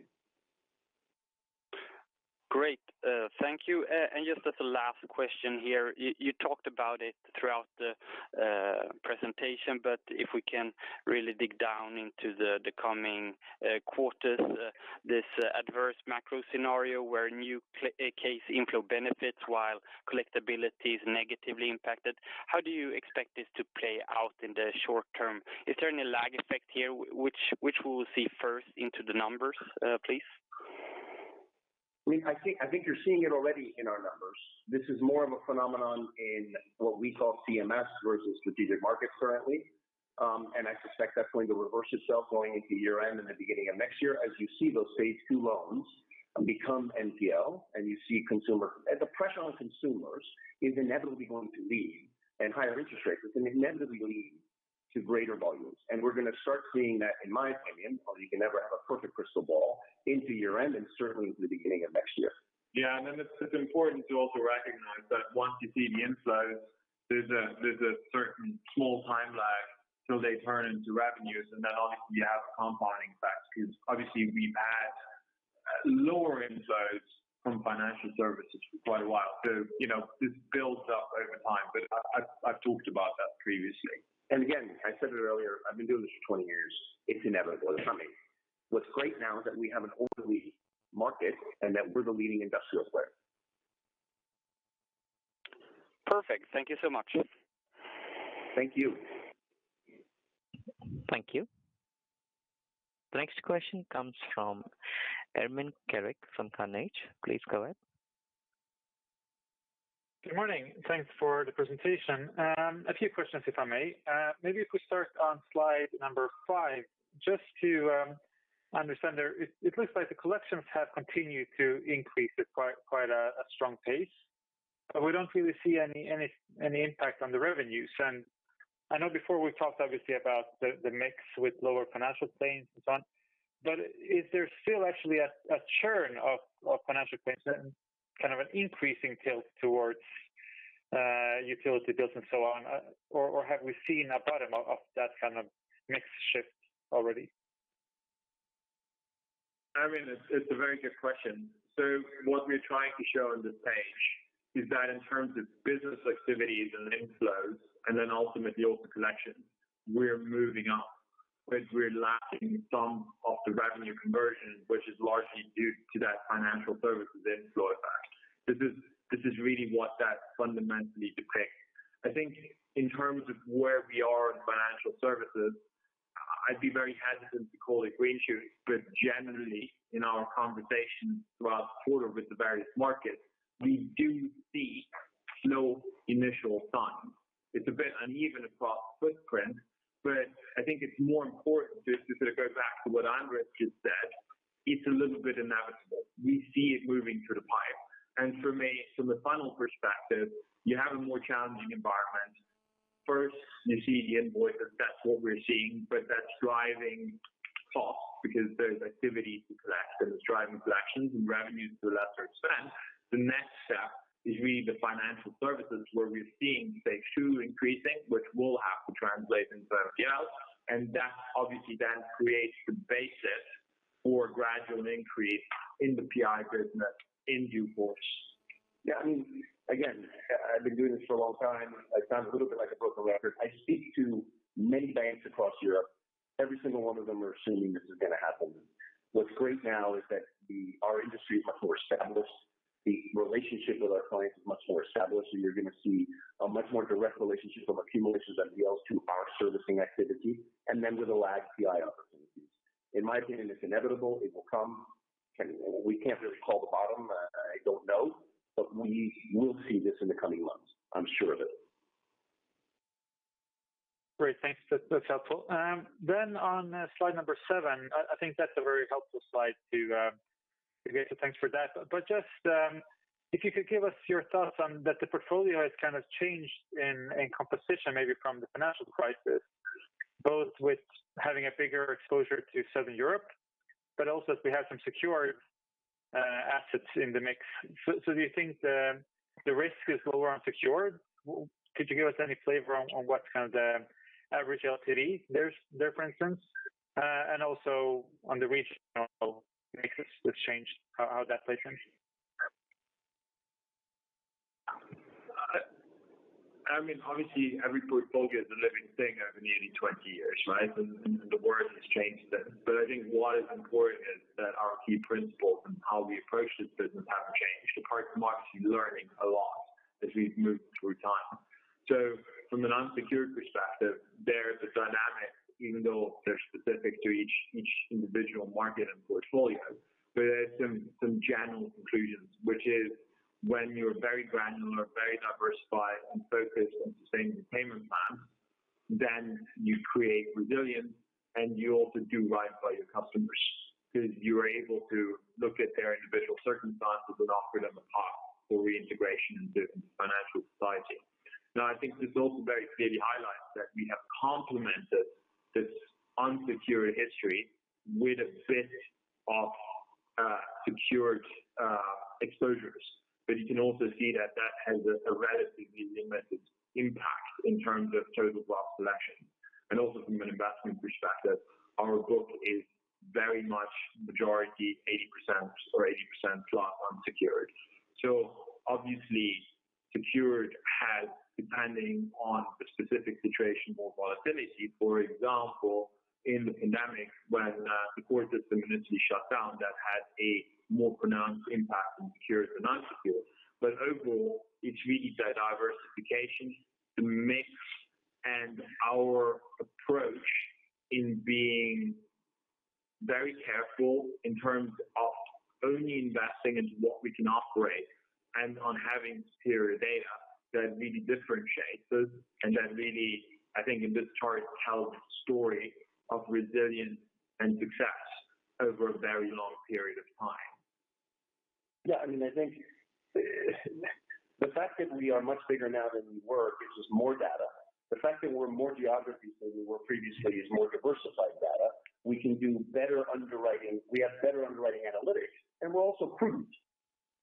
Great. Thank you. Just as a last question here, you talked about it throughout the presentation, but if we can really dig down into the coming quarters, this adverse macro scenario where new case inflow benefits while collectability is negatively impacted. How do you expect this to play out in the short term? Is there any lag effect here which we'll see first into the numbers, please? I mean, I think you're seeing it already in our numbers. This is more of a phenomenon in what we call CMS versus strategic markets currently. I suspect that's going to reverse itself going into year-end and the beginning of next year as you see those Stage 2 loans become NPL. The pressure on consumers is inevitably going to lead, and higher interest rates, it's gonna inevitably lead to greater volumes. We're gonna start seeing that, in my opinion, although you can never have a perfect crystal ball into year-end and certainly into the beginning of next year. Yeah. It's important to also recognize that once you see the inflows, there's a certain small time lag till they turn into revenues. Obviously you have a compounding effect because obviously we've had lower inflows from financial services for quite a while. You know, this builds up over time. I've talked about that previously. Again, I said it earlier, I've been doing this for 20 years. It's inevitable. It's coming. What's great now is that we have an orderly market and that we're the leading industrial player. Perfect. Thank you so much. Thank you. Thank you. The next question comes from Ermin Keric from Carnegie. Please go ahead. Good morning. Thanks for the presentation. A few questions, if I may. Maybe if we start on slide number five, just to understand there. It looks like the collections have continued to increase at quite a strong pace, but we don't really see any impact on the revenues. I know before we've talked obviously about the mix with lower financial claims and so on. Is there still actually a churn of financial claims and kind of an increasing tilt towards utility bills and so on? Or have we seen a bottom of that kind of mix shift already? I mean, it's a very good question. What we're trying to show on this page is that in terms of business activities and inflows and then ultimately also collections, we're moving up. We're lacking some of the revenue conversion, which is largely due to that financial services inflow effect. This is really what that fundamentally depicts. I think in terms of where we are in financial services, I'd be very hesitant to call it green shoots, but generally in our conversations throughout the quarter with the various markets, we do see some initial signs. It's a bit uneven across footprint, but I think it's more important just to sort of go back to what Andrés just said, it's a little bit inevitable. We see it moving through the pipeline. For me, from a funnel perspective, you have a more challenging environment. First, you see the invoices, that's what we're seeing. That's driving costs because there's activity to collect, and it's driving collections and revenues to a lesser extent. The next step is really the financial services where we're seeing Stage 2 increasing, which will have to translate into NPL. That obviously then creates the basis for gradual increase in the PI business in due course. Yeah. I mean, again, I've been doing this for a long time. I sound a little bit like a broken record. I speak to many banks across Europe. Every single one of them are assuming this is gonna happen. What's great now is that our industry is much more established. The relationship with our clients is much more established, so you're gonna see a much more direct relationship from accumulations of NPL to our servicing activity, and then with the lag PI opportunities. In my opinion, it's inevitable it will come. We can't really call the bottom. I don't know. We will see this in the coming months, I'm sure of it. Great. Thanks. That's helpful. On slide number seven, I think that's a very helpful slide to get, so thanks for that. Just if you could give us your thoughts on that the portfolio has kind of changed in composition maybe from the financial crisis, both with having a bigger exposure to Southern Europe, but also as we have some secure assets in the mix. Do you think the risk is lower unsecured? Would you give us any flavor on what's kind of the average LTV there for instance, and also on the regional mix that's changed, how that plays in? I mean, obviously every portfolio is a living thing over nearly 20 years, right? The world has changed it. I think what is important is that our key principles and how we approach this business haven't changed. The part of the market is learning a lot as we've moved through time. From an unsecured perspective, there's a dynamic, even though they're specific to each individual market and portfolio. There's some general conclusions, which is when you're very granular, very diversified, and focused on sustainable payment plan, then you create resilience, and you also do right by your customers 'cause you are able to look at their individual circumstances and offer them a path for reintegration into financial society. Now, I think this also very clearly highlights that we have complemented this unsecured history with a bit of secured exposures. You can also see that has a relatively limited impact in terms of total loss collection. Also from an investment perspective, our book is very much majority 80% or 80% plus unsecured. Obviously secured has, depending on the specific situation, more volatility. For example, in the pandemic, when the court system literally shut down, that had a more pronounced impact on secured and unsecured. Overall, it's really that diversification, the mix, and our approach in being very careful in terms of only investing in what we can operate and on having superior data that really differentiates us and that really, I think in this chart, tells a story of resilience and success over a very long peperiod of time. Yeah, I mean, I think the fact that we are much bigger now than we were gives us more data. The fact that we're in more geographies than we were previously is more diversified data. We can do better underwriting. We have better underwriting analytics, and we're also prudent.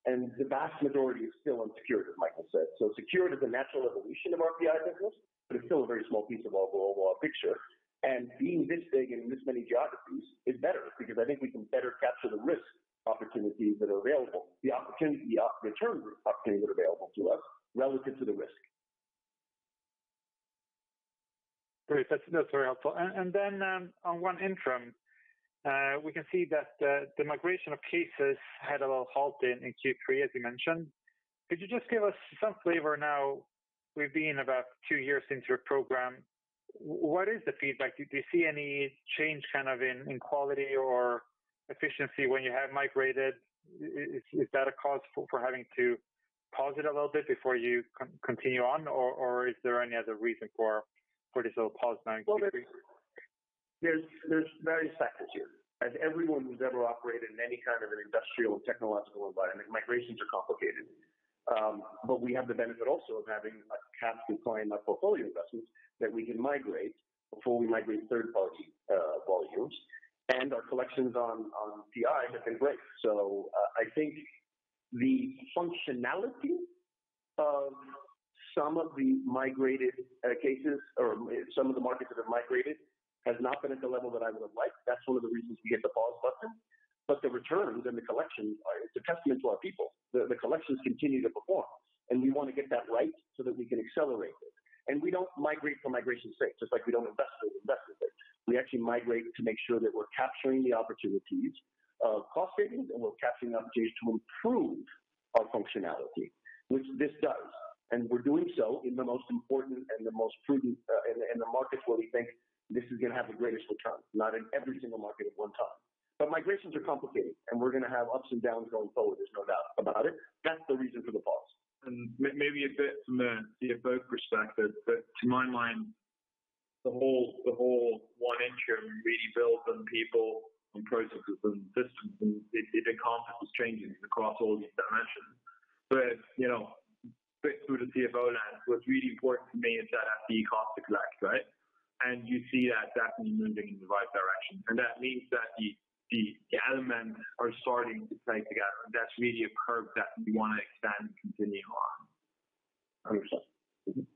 The vast majority is still unsecured, as Michael said. Secured is a natural evolution of our PI business, but it's still a very small piece of our global picture. Being this big in this many geographies is better because I think we can better capture the risk opportunities that are available, the return opportunities that are available to us relative to the risk. Great. That's very helpful. On OneIntrum, we can see that the migration of cases had a little halt in Q3, as you mentioned. Could you just give us some flavor now we've been about two years into your program. What is the feedback? Do you see any change kind of in quality or efficiency when you have migrated? Is that a cause for having to pause it a little bit before you continue on? Or is there any other reason for this little pause now in Q3? Well, there's various factors here. As everyone who's ever operated in any kind of an industrial technological environment, migrations are complicated. We have the benefit also of having a captive client, like portfolio investments, that we can migrate before we migrate third party volumes. Our collections on PI have been great. I think the functionality of some of the migrated cases or some of the markets that have migrated has not been at the level that I would have liked. That's one of the reasons we hit the pause button. The returns and the collections are. It's a testament to our people. The collections continue to perform, and we wanna get that right so that we can accelerate it. We don't migrate for migration's sake, just like we don't invest for investment's sake. We actually migrate to make sure that we're capturing the opportunities of cost savings, and we're capturing the opportunities to improve our functionality, which this does. We're doing so in the most important and the most prudent in the markets where we think this is gonna have the greatest return, not in every single market at one time. Migrations are complicated, and we're gonna have ups and downs going forward. There's no doubt about it. That's the reason for the pause. Maybe a bit from a CFO perspective, but to my mind, the whole OneIntrum rebuild and people and processes and systems, and it encompasses changes across all these dimensions. You know, but through the CFO lens, what's really important to me is that has to be cost-effective, right? That means that the elements are starting to play together. That's really a curve that we wanna extend and continue on. 100%.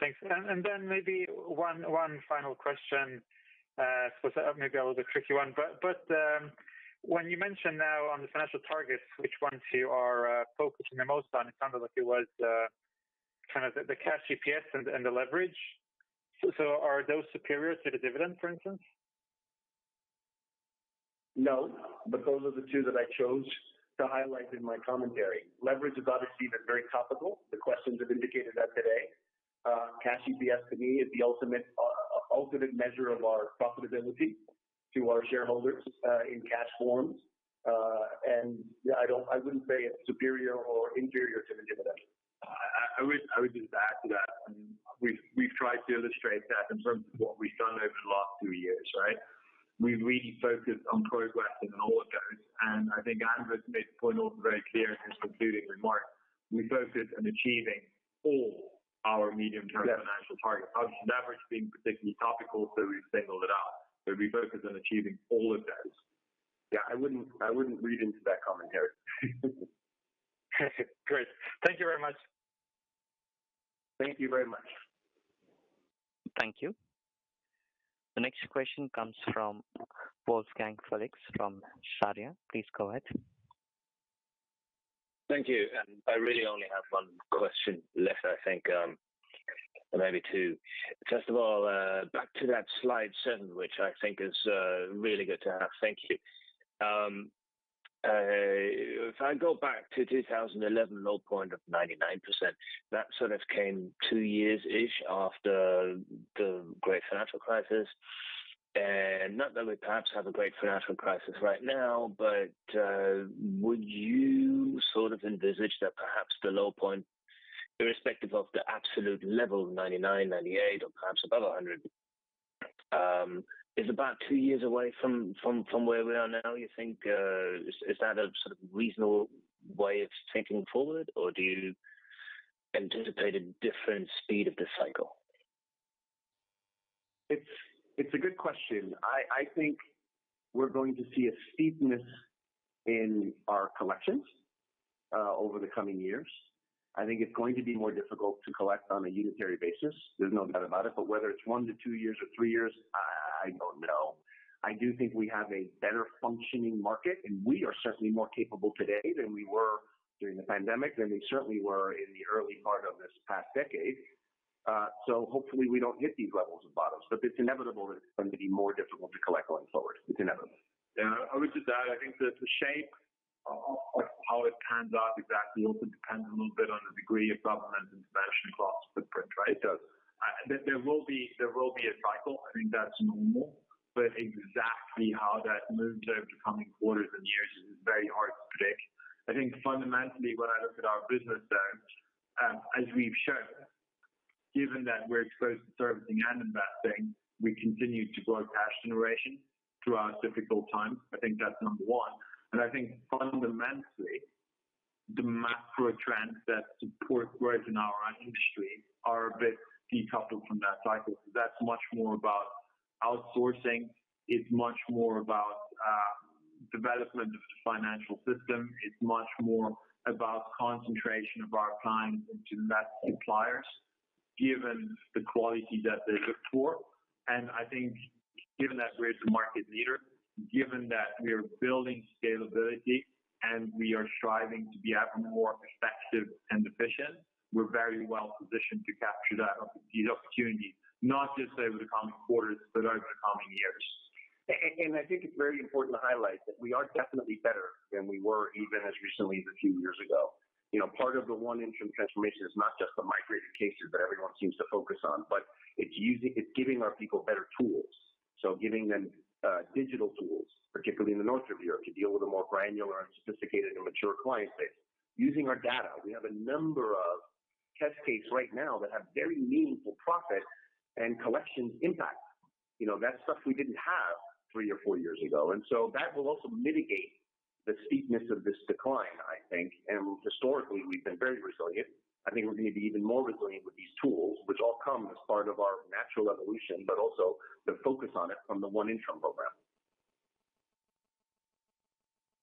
Thanks. Then maybe one final question, suppose maybe a little bit tricky one. When you mentioned now on the financial targets, which ones you are focusing the most on, it sounded like it was kind of the Cash EPS and the leverage. Are those superior to the dividend, for instance? No, those are the two that I chose to highlight in my commentary. Leverage is obviously been very topical. The questions have indicated that today. Cash EPS to me is the ultimate measure of our profitability to our shareholders in cash forms. I wouldn't say it's superior or inferior to the dividend. I would just add to that. I mean, we've tried to illustrate that in terms of what we've done over the last two years, right? We've really focused on progress in all of those, and I think Andrés made the point also very clear in his concluding remarks. We focused on achieving all our medium-term. Yes Financial targets. Obviously, leverage being particularly topical, so we've singled it out. We're focused on achieving all of those. Yeah, I wouldn't read into that commentary. Great. Thank you very much. Thank you very much. Thank you. The next question comes from Wolfgang Felix from Sarria. Please go ahead. Thank you. I really only have one question left, I think, maybe two. First of all, back to that slide seven, which I think is really good to have. Thank you. If I go back to 2011 low point of 99%, that sort of came two years-ish after the great financial crisis. Not that we perhaps have a great financial crisis right now, but would you sort of envisage that perhaps the low point, irrespective of the absolute level of 99, 98 or perhaps above 100, is about two years away from where we are now, you think? Is that a sort of reasonable way of thinking forward, or do you anticipate a different speed of the cycle? It's a good question. I think we're going to see a steepness in our collections over the coming years. I think it's going to be more difficult to collect on a unitary basis. There's no doubt about it. Whether it's one to two years or three years, I don't know. I do think we have a better functioning market, and we are certainly more capable today than we were during the pandemic, than we certainly were in the early part of this past decade. Hopefully we don't hit these levels of bottoms, but it's inevitable that it's going to be more difficult to collect going forward. It's inevitable. Yeah. I would just add, I think the shape of how it pans out exactly also depends a little bit on the degree of government intervention across footprint, right? There will be a cycle. I think that's normal. Exactly how that moves over the coming quarters and years is very hard to predict. I think fundamentally, when I look at our business then, as we've shown, given that we're exposed to servicing and investing, we continue to grow cash generation through our difficult times. I think that's number one. I think fundamentally, the macro trends that support growth in our industry are a bit decoupled from that cycle. That's much more about outsourcing. It's much more about development of the financial system. It's much more about concentration of our clients into invest suppliers, given the quality that they look for. I think given that we're the market leader, given that we're building scalability, and we are striving to be ever more effective and efficient, we're very well-positioned to capture these opportunities, not just over the coming quarters, but over the coming years. I think it's very important to highlight that we are definitely better than we were even as recently as a few years ago. You know, part of the One Intrum transformation is not just the migrated cases that everyone seems to focus on, but it's giving our people better tools. Giving them digital tools, particularly in the north of Europe, to deal with a more granular and sophisticated and mature client base. Using our data, we have a number of test cases right now that have very meaningful profit and collections impact. You know, that's stuff we didn't have three or four years ago. That will also mitigate the steepness of this decline, I think. Historically, we've been very resilient. I think we're going to be even more resilient with these tools, which all come as part of our natural evolution, but also the focus on it from the One Intrum program.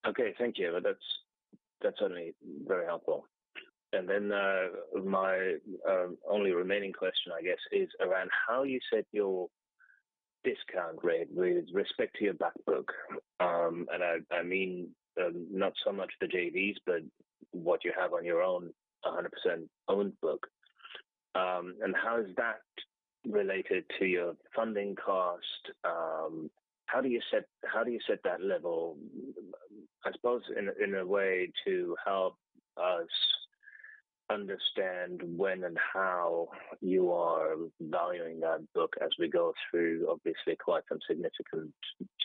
Okay. Thank you. That's certainly very helpful. My only remaining question, I guess, is around how you set your discount rate with respect to your back book. I mean, not so much the JVs, but what you have on your own 100% owned book. How is that related to your funding cost? How do you set that level, I suppose in a way to help us understand when and how you are valuing that book as we go through obviously quite some significant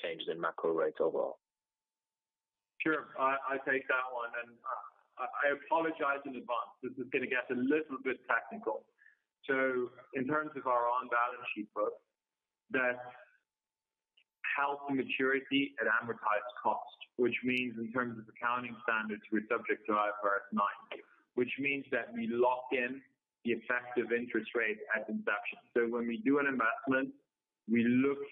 change in macro rates overall? Sure. I take that one, and I apologize in advance. This is gonna get a little bit technical. In terms of our on-balance sheet book, that's held to maturity at amortized cost, which means in terms of accounting standards, we're subject to IFRS 9, which means that we lock in the effective interest rate at inception. When we do an investment, we look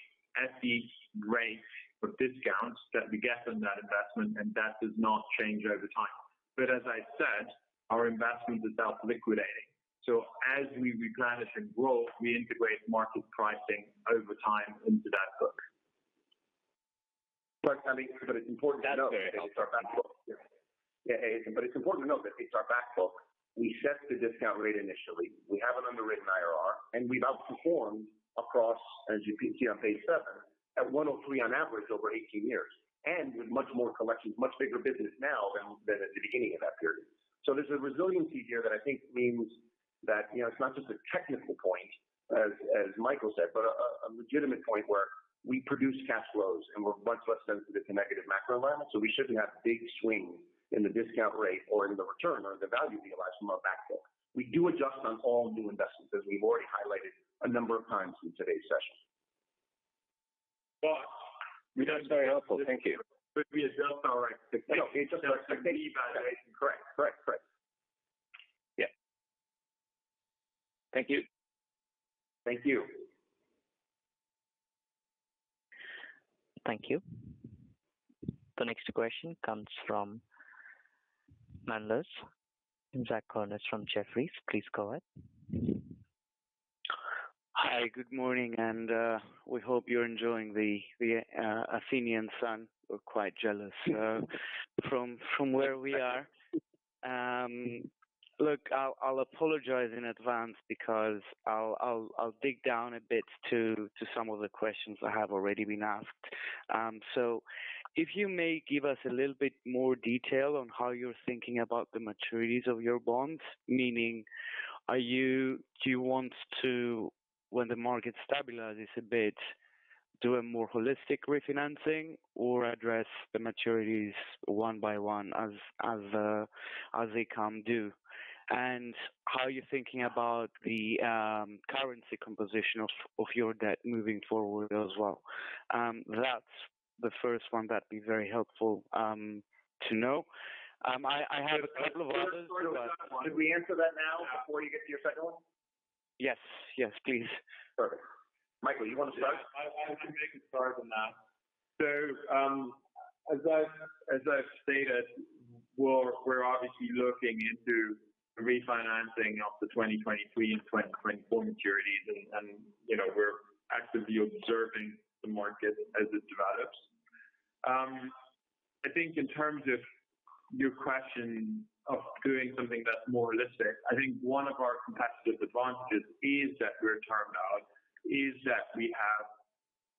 at the rate of discount that we get on that investment, and that does not change over time. As I said, our investment is self-liquidating. As we replenish and grow, we integrate market pricing over time into that book. It's important to note that it's our back book. Yeah. We set the discount rate initially. We have an underwritten IRR, and we've outperformed across, as you can see on page 7, at 103% on average over 18 years, and with much more collections, much bigger business now than at the beginning of that period. There's a resiliency here that I think means that, you know, it's not just a technical point as Michael said, but a legitimate point where we produce cash flows, and we're much less sensitive to negative macro environment. We shouldn't have big swings in the discount rate or in the return or the value realized from our back book. We do adjust on all new investments, as we've already highlighted a number of times in today's session. But- That's very helpful. Thank you. We adjust our expectations. No. It's just. Correct. Yeah. Thank you. Thank you. Thank you. The next question comes from analyst Zach Kalish from Jefferies. Please go ahead. Hi, good morning, and we hope you're enjoying the Athenian sun. We're quite jealous from where we are. Look, I'll dig down a bit to some of the questions that have already been asked. So if you may give us a little bit more detail on how you're thinking about the maturities of your bonds, meaning do you want to, when the market stabilizes a bit, do a more holistic refinancing or address the maturities one by one as they come due? How are you thinking about the currency composition of your debt moving forward as well? That's the first one that'd be very helpful to know. I have a couple of others. Should we answer that now before you get to your second one? Yes, please. Perfect. Michael, you wanna start? I can make a start on that. As I've stated, we're obviously looking into refinancing of the 2023 and 2024 maturities and, you know, we're actively observing the market as it develops. I think in terms of your question of doing something that's more holistic, I think one of our competitive advantages is that we're termed out, that we have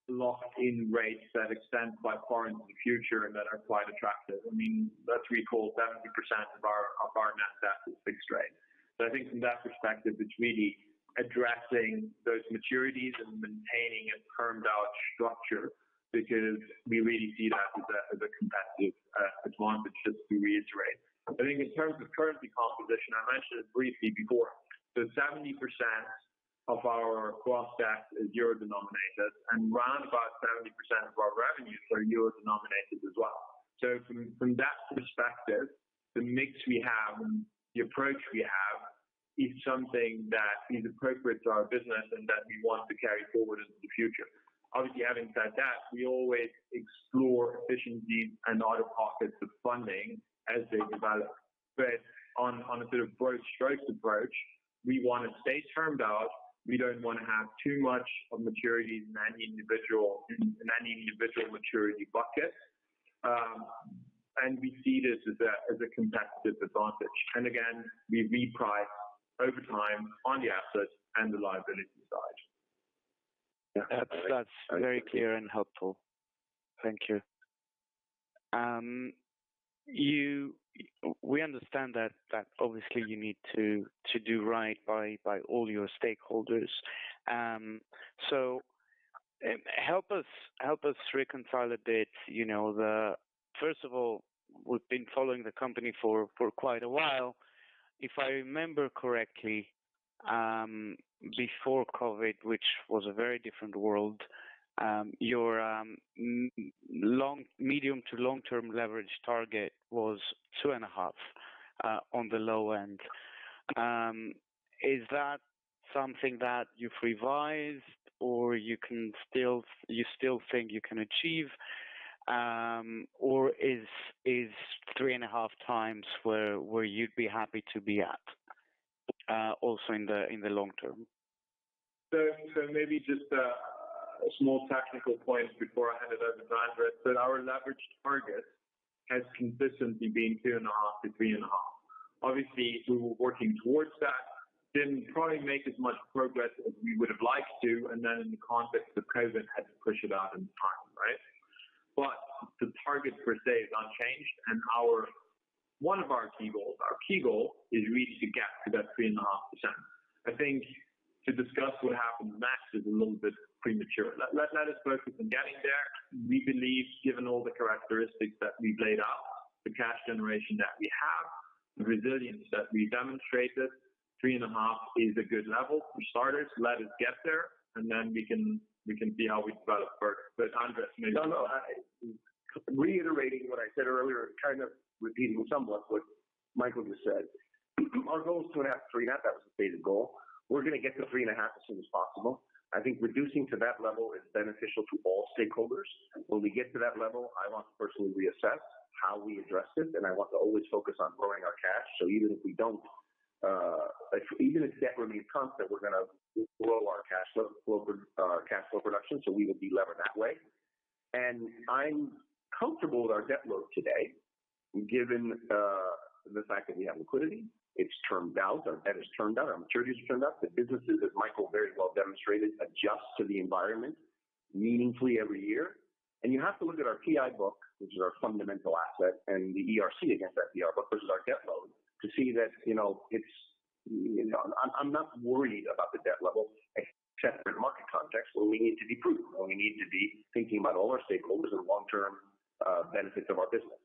locked-in rates that extend quite far into the future and that are quite attractive. I mean, let's recall 70% of our net debt is fixed rate. I think from that perspective, it's really addressing those maturities and maintaining a termed out structure because we really see that as a competitive advantage, just to reiterate. I think in terms of currency composition, I mentioned it briefly before, that 70% of our gross debt is euro-denominated, and round about 70% of our revenues are euro-denominated as well. From that perspective, the mix we have and the approach we have is something that is appropriate to our business and that we want to carry forward into the future. Obviously, having said that, we always explore efficiencies and out-of-pockets of funding as they develop. On a bit of broad strokes approach, we wanna stay termed out. We don't wanna have too much of maturities in any individual maturity bucket. We see this as a competitive advantage. Again, we reprice over time on the assets and the liability side. That's very clear and helpful. Thank you. We understand that obviously you need to do right by all your stakeholders. So, help us reconcile a bit, you know. First of all, we've been following the company for quite a while. If I remember correctly, before COVID, which was a very different world, your medium to long-term leverage target was 2.5 on the low end. Is that something that you've revised or you still think you can achieve? Or is 3.5x where you'd be happy to be at also in the long-term? Maybe just a small tactical point before I hand it over to Andrés, that our leverage target has consistently been 2.5-3.5. Obviously, we were working towards that, didn't probably make as much progress as we would've liked to, and then in the context of COVID had to push it out in time, right? The target per se is unchanged and one of our key goals, our key goal is really to get to that 3.5%. I think to discuss what happened next is a little bit premature. Let us first focus on getting there. We believe, given all the characteristics that we've laid out, the cash generation that we have, the resilience that we demonstrated, 3.5 is a good level for starters. Let us get there and then we can see how we develop further. Andrés, maybe- No, Reiterating what I said earlier, kind of repeating somewhat what Michael just said, our goal is 2.5-3.5. That was the stated goal. We're gonna get to 3.5 as soon as possible. I think reducing to that level is beneficial to all stakeholders. When we get to that level, I want to personally reassess how we address it, and I want to always focus on growing our cash. Even if we don't, even if debt remains constant, we're gonna grow our cash flow production, so we will delever that way. I'm comfortable with our debt load today, given the fact that we have liquidity. It's termed out. Our debt is termed out. Our maturities are termed out. The businesses, as Michael very well demonstrated, adjust to the environment meaningfully every year. You have to look at our PI book, which is our fundamental asset, and the ERC against that PI book, which is our debt load, to see that, you know, it's, you know, I'm not worried about the debt level except in market context where we need to be prudent, where we need to be thinking about all our stakeholders and long-term benefits of our business.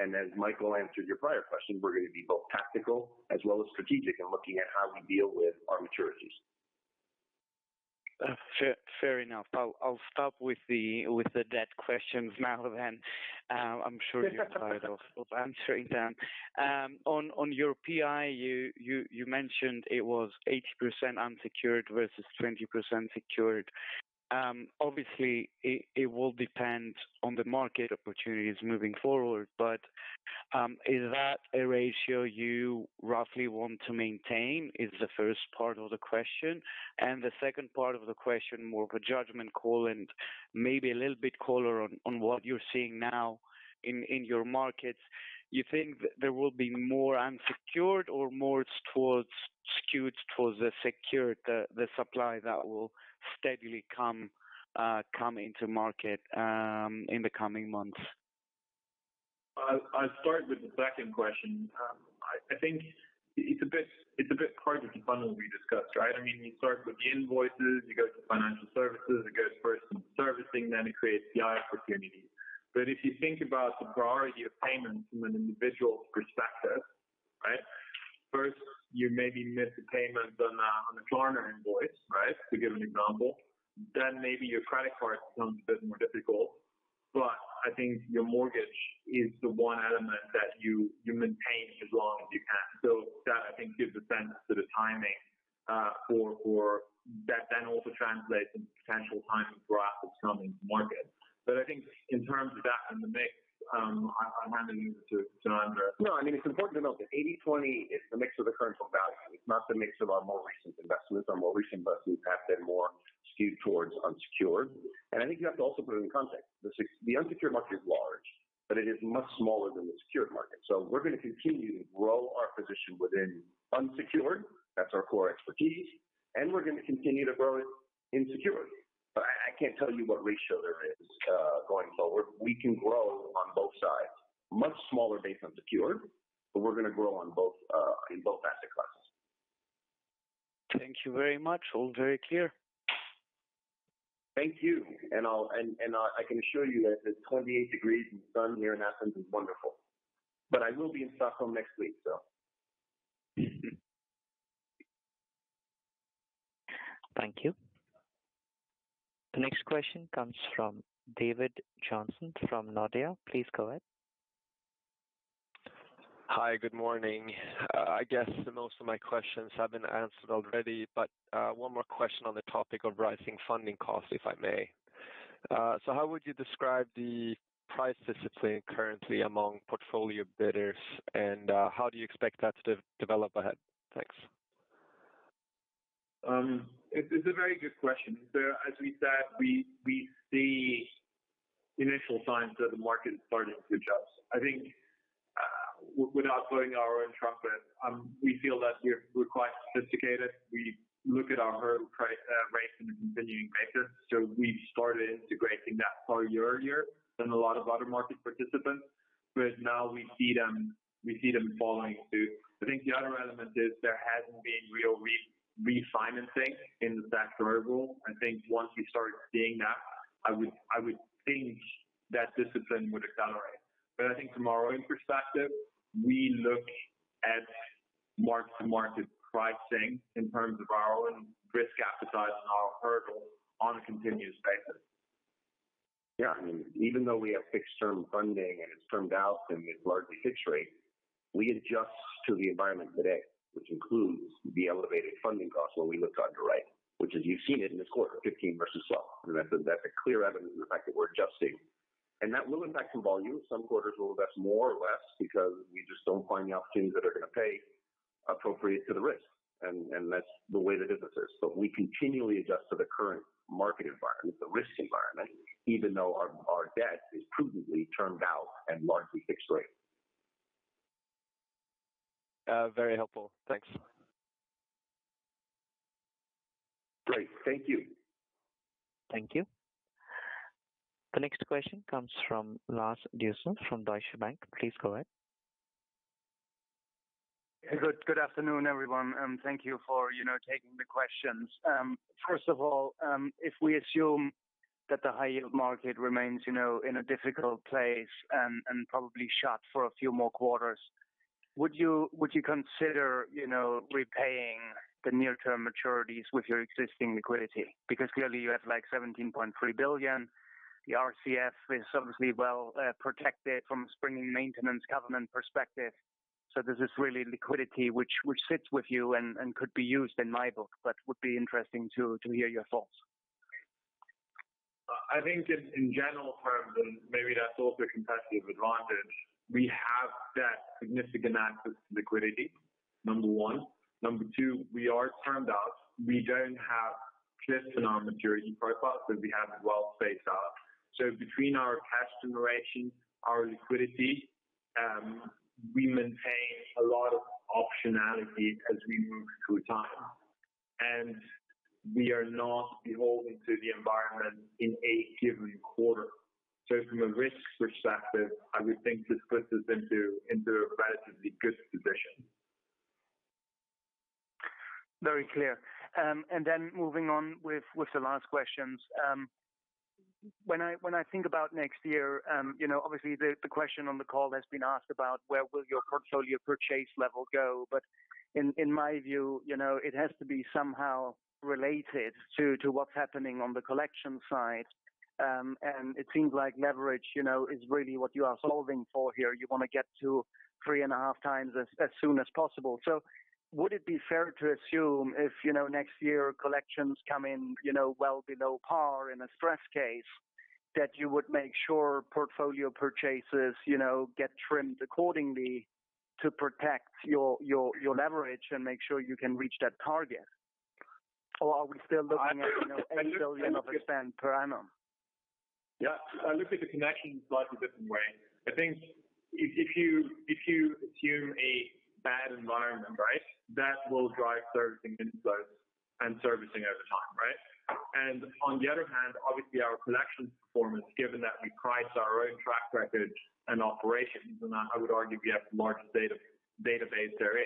As Michael answered your prior question, we're gonna be both tactical as well as strategic in looking at how we deal with our maturities. Fair enough. I'll stop with the debt questions now then. I'm sure you're tired of answering them. On your PI, you mentioned it was 80% unsecured versus 20% secured. Obviously it will depend on the market opportunities moving forward. Is that a ratio you roughly want to maintain? Is the first part of the question. The second part of the question, more of a judgment call and maybe a little bit color on what you're seeing now in your markets. You think there will be more unsecured or more skewed towards the secured, the supply that will steadily come into market in the coming months? I'll start with the second question. I think it's a bit part of the funnel we discussed, right? I mean, you start with the invoices, it goes to financial services, it goes first to servicing, then it creates BI opportunity. If you think about the priority of payments from an individual perspective, right? First, you maybe missed the payment on a gardener invoice, right? To give an example. Then maybe your credit card becomes a bit more difficult. I think your mortgage is the one element that you maintain as long as you can. That gives a sense to the timing. That then also translates into potential timing throughout this coming market. I think in terms of that in the mix, I'll hand it to Andrés. No, I mean, it's important to note that 80/20 is the mix of the current book value. It's not the mix of our more recent investments. Our more recent investments have been more skewed towards unsecured. I think you have to also put it in context. The unsecured market is large, but it is much smaller than the secured market. We're gonna continue to grow our position within unsecured. That's our core expertise, and we're gonna continue to grow it in secured. I can't tell you what ratio there is going forward. We can grow on both sides, much smaller base than secured, but we're gonna grow on both in both asset classes. Thank you very much. All very clear. Thank you. I can assure you that it's 28 degrees and sun here in Athens is wonderful. I will be in Stockholm next week. Thank you. The next question comes from David Ljungstrom from Nordea. Please go ahead. Hi, good morning. I guess most of my questions have been answered already, but one more question on the topic of rising funding costs, if I may. So how would you describe the price discipline currently among portfolio bidders, and how do you expect that to develop ahead? Thanks. It's a very good question. As we said, we see initial signs that the market is starting to adjust. I think, without blowing our own trumpet, we feel that we're quite sophisticated. We look at our hurdle rates on a continuing basis. We started integrating that far earlier than a lot of other market participants. Now we see them following suit. I think the other element is there hasn't been real refinancing in the back door rule. I think once we start seeing that, I would think that discipline would accelerate. I think from our own perspective, we look at mark to market pricing in terms of our own risk appetite and our hurdle on a continuous basis. Yeah. I mean, even though we have fixed term funding and it's termed out and it's largely fixed rate, we adjust to the environment today, which includes the elevated funding costs when we look on to write. Which as you've seen it in this quarter, 15% versus 12%. That's a clear evidence of the fact that we're adjusting. That will impact some volume. Some quarters will invest more or less because we just don't find the opportunities that are going to pay appropriate to the risk, and that's the way the business is. We continually adjust to the current market environment, the risk environment, even though our debt is prudently termed out and largely fixed rate. Very helpful. Thanks. Great. Thank you. Thank you. The next question comes from Lars Dueser from Deutsche Bank. Please go ahead. Good afternoon, everyone, and thank you for, you know, taking the questions. First of all, if we assume that the high yield market remains, you know, in a difficult place and probably shut for a few more quarters, would you consider, you know, repaying the near term maturities with your existing liquidity? Because clearly you have like 17.3 billion. The RCF is obviously well protected from a springing maintenance covenant perspective. So this is really liquidity which sits with you and could be used in my book. Would be interesting to hear your thoughts. I think in general terms, and maybe that's also a competitive advantage, we have that significant access to liquidity, number one, number two, we are termed out. We don't have cliffs in our maturity profile, so we have it well spaced out. Between our cash generation, our liquidity, we maintain a lot of optionality as we move through time. We are not beholden to the environment in any given quarter. From a risk perspective, I would think this puts us into a relatively good position. Very clear. Moving on with the last questions. When I think about next year, you know, obviously the question on the call has been asked about where will your portfolio purchase level go? In my view, you know, it has to be somehow related to what's happening on the collection side. It seems like leverage, you know, is really what you are solving for here. You want to get to 3.5x as soon as possible. Would it be fair to assume if, you know, next year collections come in, you know, well below par in a stress case that you would make sure portfolio purchases, you know, get trimmed accordingly to protect your leverage and make sure you can reach that target. are we still looking at, you know, 8 billion of spend per annum? Yeah. I look at the connections slightly different way. I think if you assume a bad environment, right? That will drive servicing inflows and servicing over time, right? On the other hand, obviously our collections performance, given that we price our own track record and operations, and I would argue we have the largest database there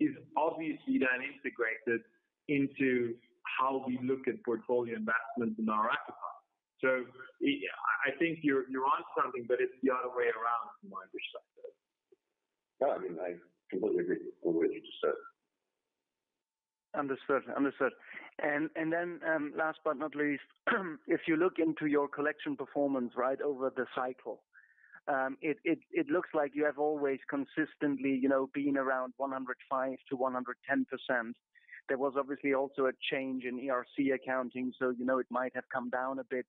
is obviously then integrated into how we look at portfolio investments in our active product. I think you're on something, but it's the other way around from my perspective. No, I mean, I completely agree with what you just said. Understood. Then last but not least, if you look into your collection performance right over the cycle, it looks like you have always consistently, you know, been around 105%-110%. There was obviously also a change in ERC accounting, so you know it might have come down a bit.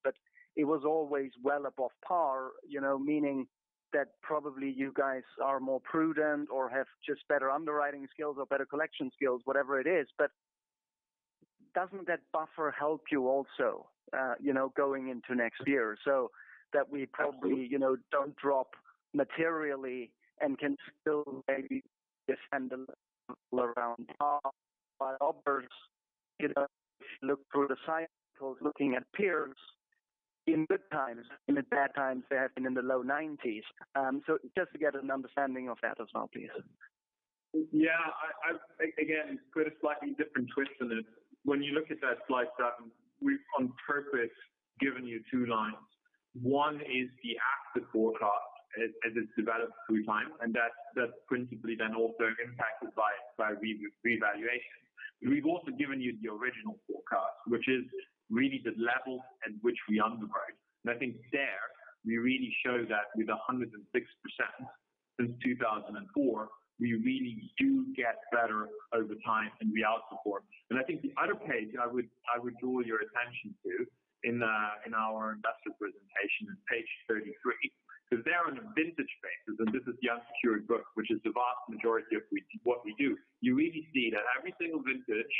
It was always well above par, you know, meaning that probably you guys are more prudent or have just better underwriting skills or better collection skills, whatever it is. Doesn't that buffer help you also, you know, going into next year, so that we probably- Absolutely. You know, don't drop materially and can still maybe defend a little around par. Others, you know, look through the cycles, looking at peers in good times and in bad times, they have been in the low 90s%. So just to get an understanding of that as well, please. Yeah. I again put a slightly different twist on it. When you look at that slide seven, we've on purpose given you two lines. One is the active forecast as it's developed through time, and that's principally then also impacted by revaluation. We've also given you the original forecast, which is really the level at which we underwrite. I think there we really show that with 106% since 2004, we really do get better over time and we outperform. I think the other page I would draw your attention to in our investor presentation is page 33, because there on a vintage basis, and this is the unsecured book, which is the vast majority of what we do. You really see that every single vintage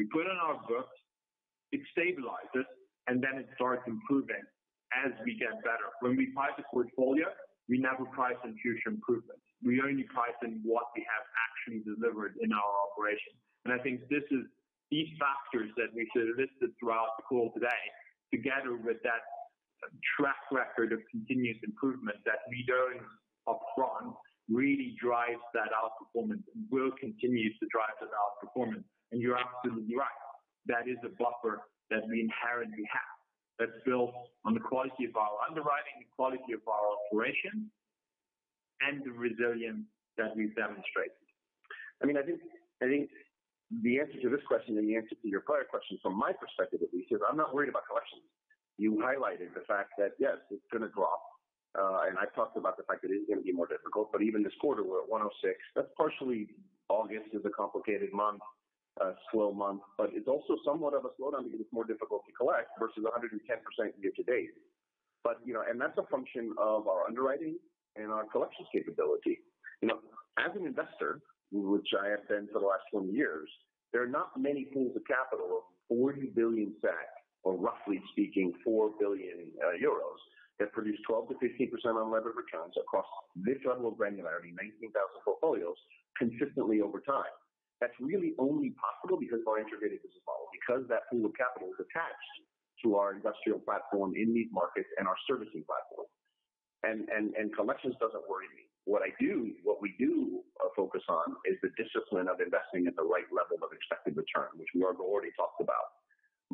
we put on our books, it stabilizes, and then it starts improving as we get better. When we price a portfolio, we never price in future improvements. We only price in what we have actually delivered in our operation. I think this is these factors that we've sort of listed throughout the call today, together with that track record of continuous improvement that we're doing upfront, really drives that outperformance and will continue to drive that outperformance. You're absolutely right, that is a buffer that we inherently have that's built on the quality of our underwriting, the quality of our operation, and the resilience that we've demonstrated. I mean, I think the answer to this question and the answer to your prior question from my perspective at least is I'm not worried about collections. You highlighted the fact that, yes, it's gonna drop. I talked about the fact that it is gonna be more difficult, but even this quarter we're at 106%. That's partially August is a complicated month, a slow month, but it's also somewhat of a slowdown because it's more difficult to collect versus 110% year to date. You know, and that's a function of our underwriting and our collections capability. You know, as an investor, which I have been for the last 20 years, there are not many pools of capital of 40 billion or roughly speaking 4 billion euros that produce 12%-15% unlevered returns across this level of granularity, 19,000 portfolios consistently over time. That's really only possible because our integrated business model, because that pool of capital is attached to our industrial platform in these markets and our servicing platform. Collections doesn't worry me. What we do focus on is the discipline of investing at the right level of expected return, which Michael already talked about.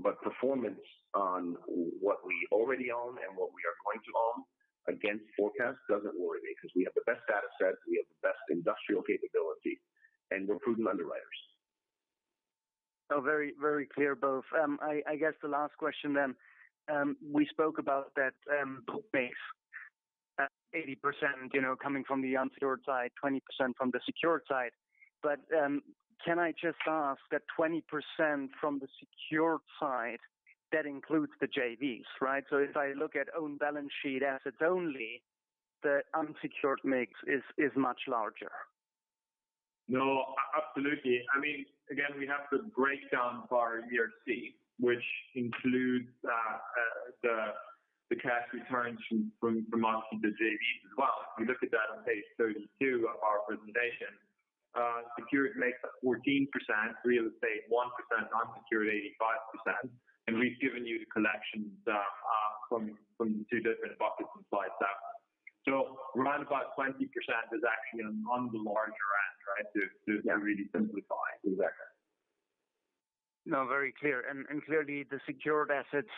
Performance on what we already own and what we are going to own against forecast doesn't worry me because we have the best data set, we have the best industrial capability, and we're prudent underwriters. Oh, very, very clear both. I guess the last question then, we spoke about that, book base at 80%, you know, coming from the unsecured side, 20% from the secured side. Can I just ask that 20% from the secured side, that includes the JVs, right? If I look at own balance sheet assets only, the unsecured mix is much larger. No, absolutely. I mean, again, we have the breakdown for our ERC, which includes the cash returns from us to the JVs as well. If you look at that on page 32 of our presentation, secured makes up 14%, real estate 1%, unsecured 85%. We've given you the collections from two different buckets in slide 7. Around about 20% is actually on the larger end, right? To really simplify it there. No, very clear. Clearly the secured assets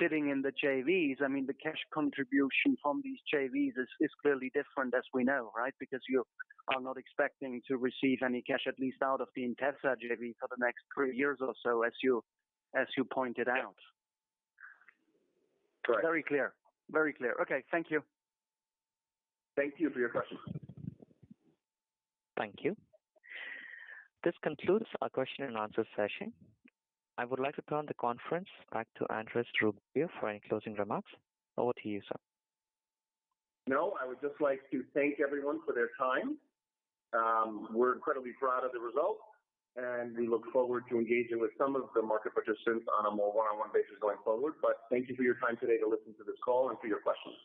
sitting in the JVs, I mean, the cash contribution from these JVs is clearly different as we know, right? Because you are not expecting to receive any cash at least out of the Intesa JV for the next three years or so as you pointed out. Correct. Very clear. Okay, thank you. Thank you for your questions. Thank you. This concludes our question and answer session. I would like to turn the conference back to Andrés Rubio for any closing remarks. Over to you, sir. No, I would just like to thank everyone for their time. We're incredibly proud of the result, and we look forward to engaging with some of the market participants on a more one-on-one basis going forward. Thank you for your time today to listen to this call and for your questions.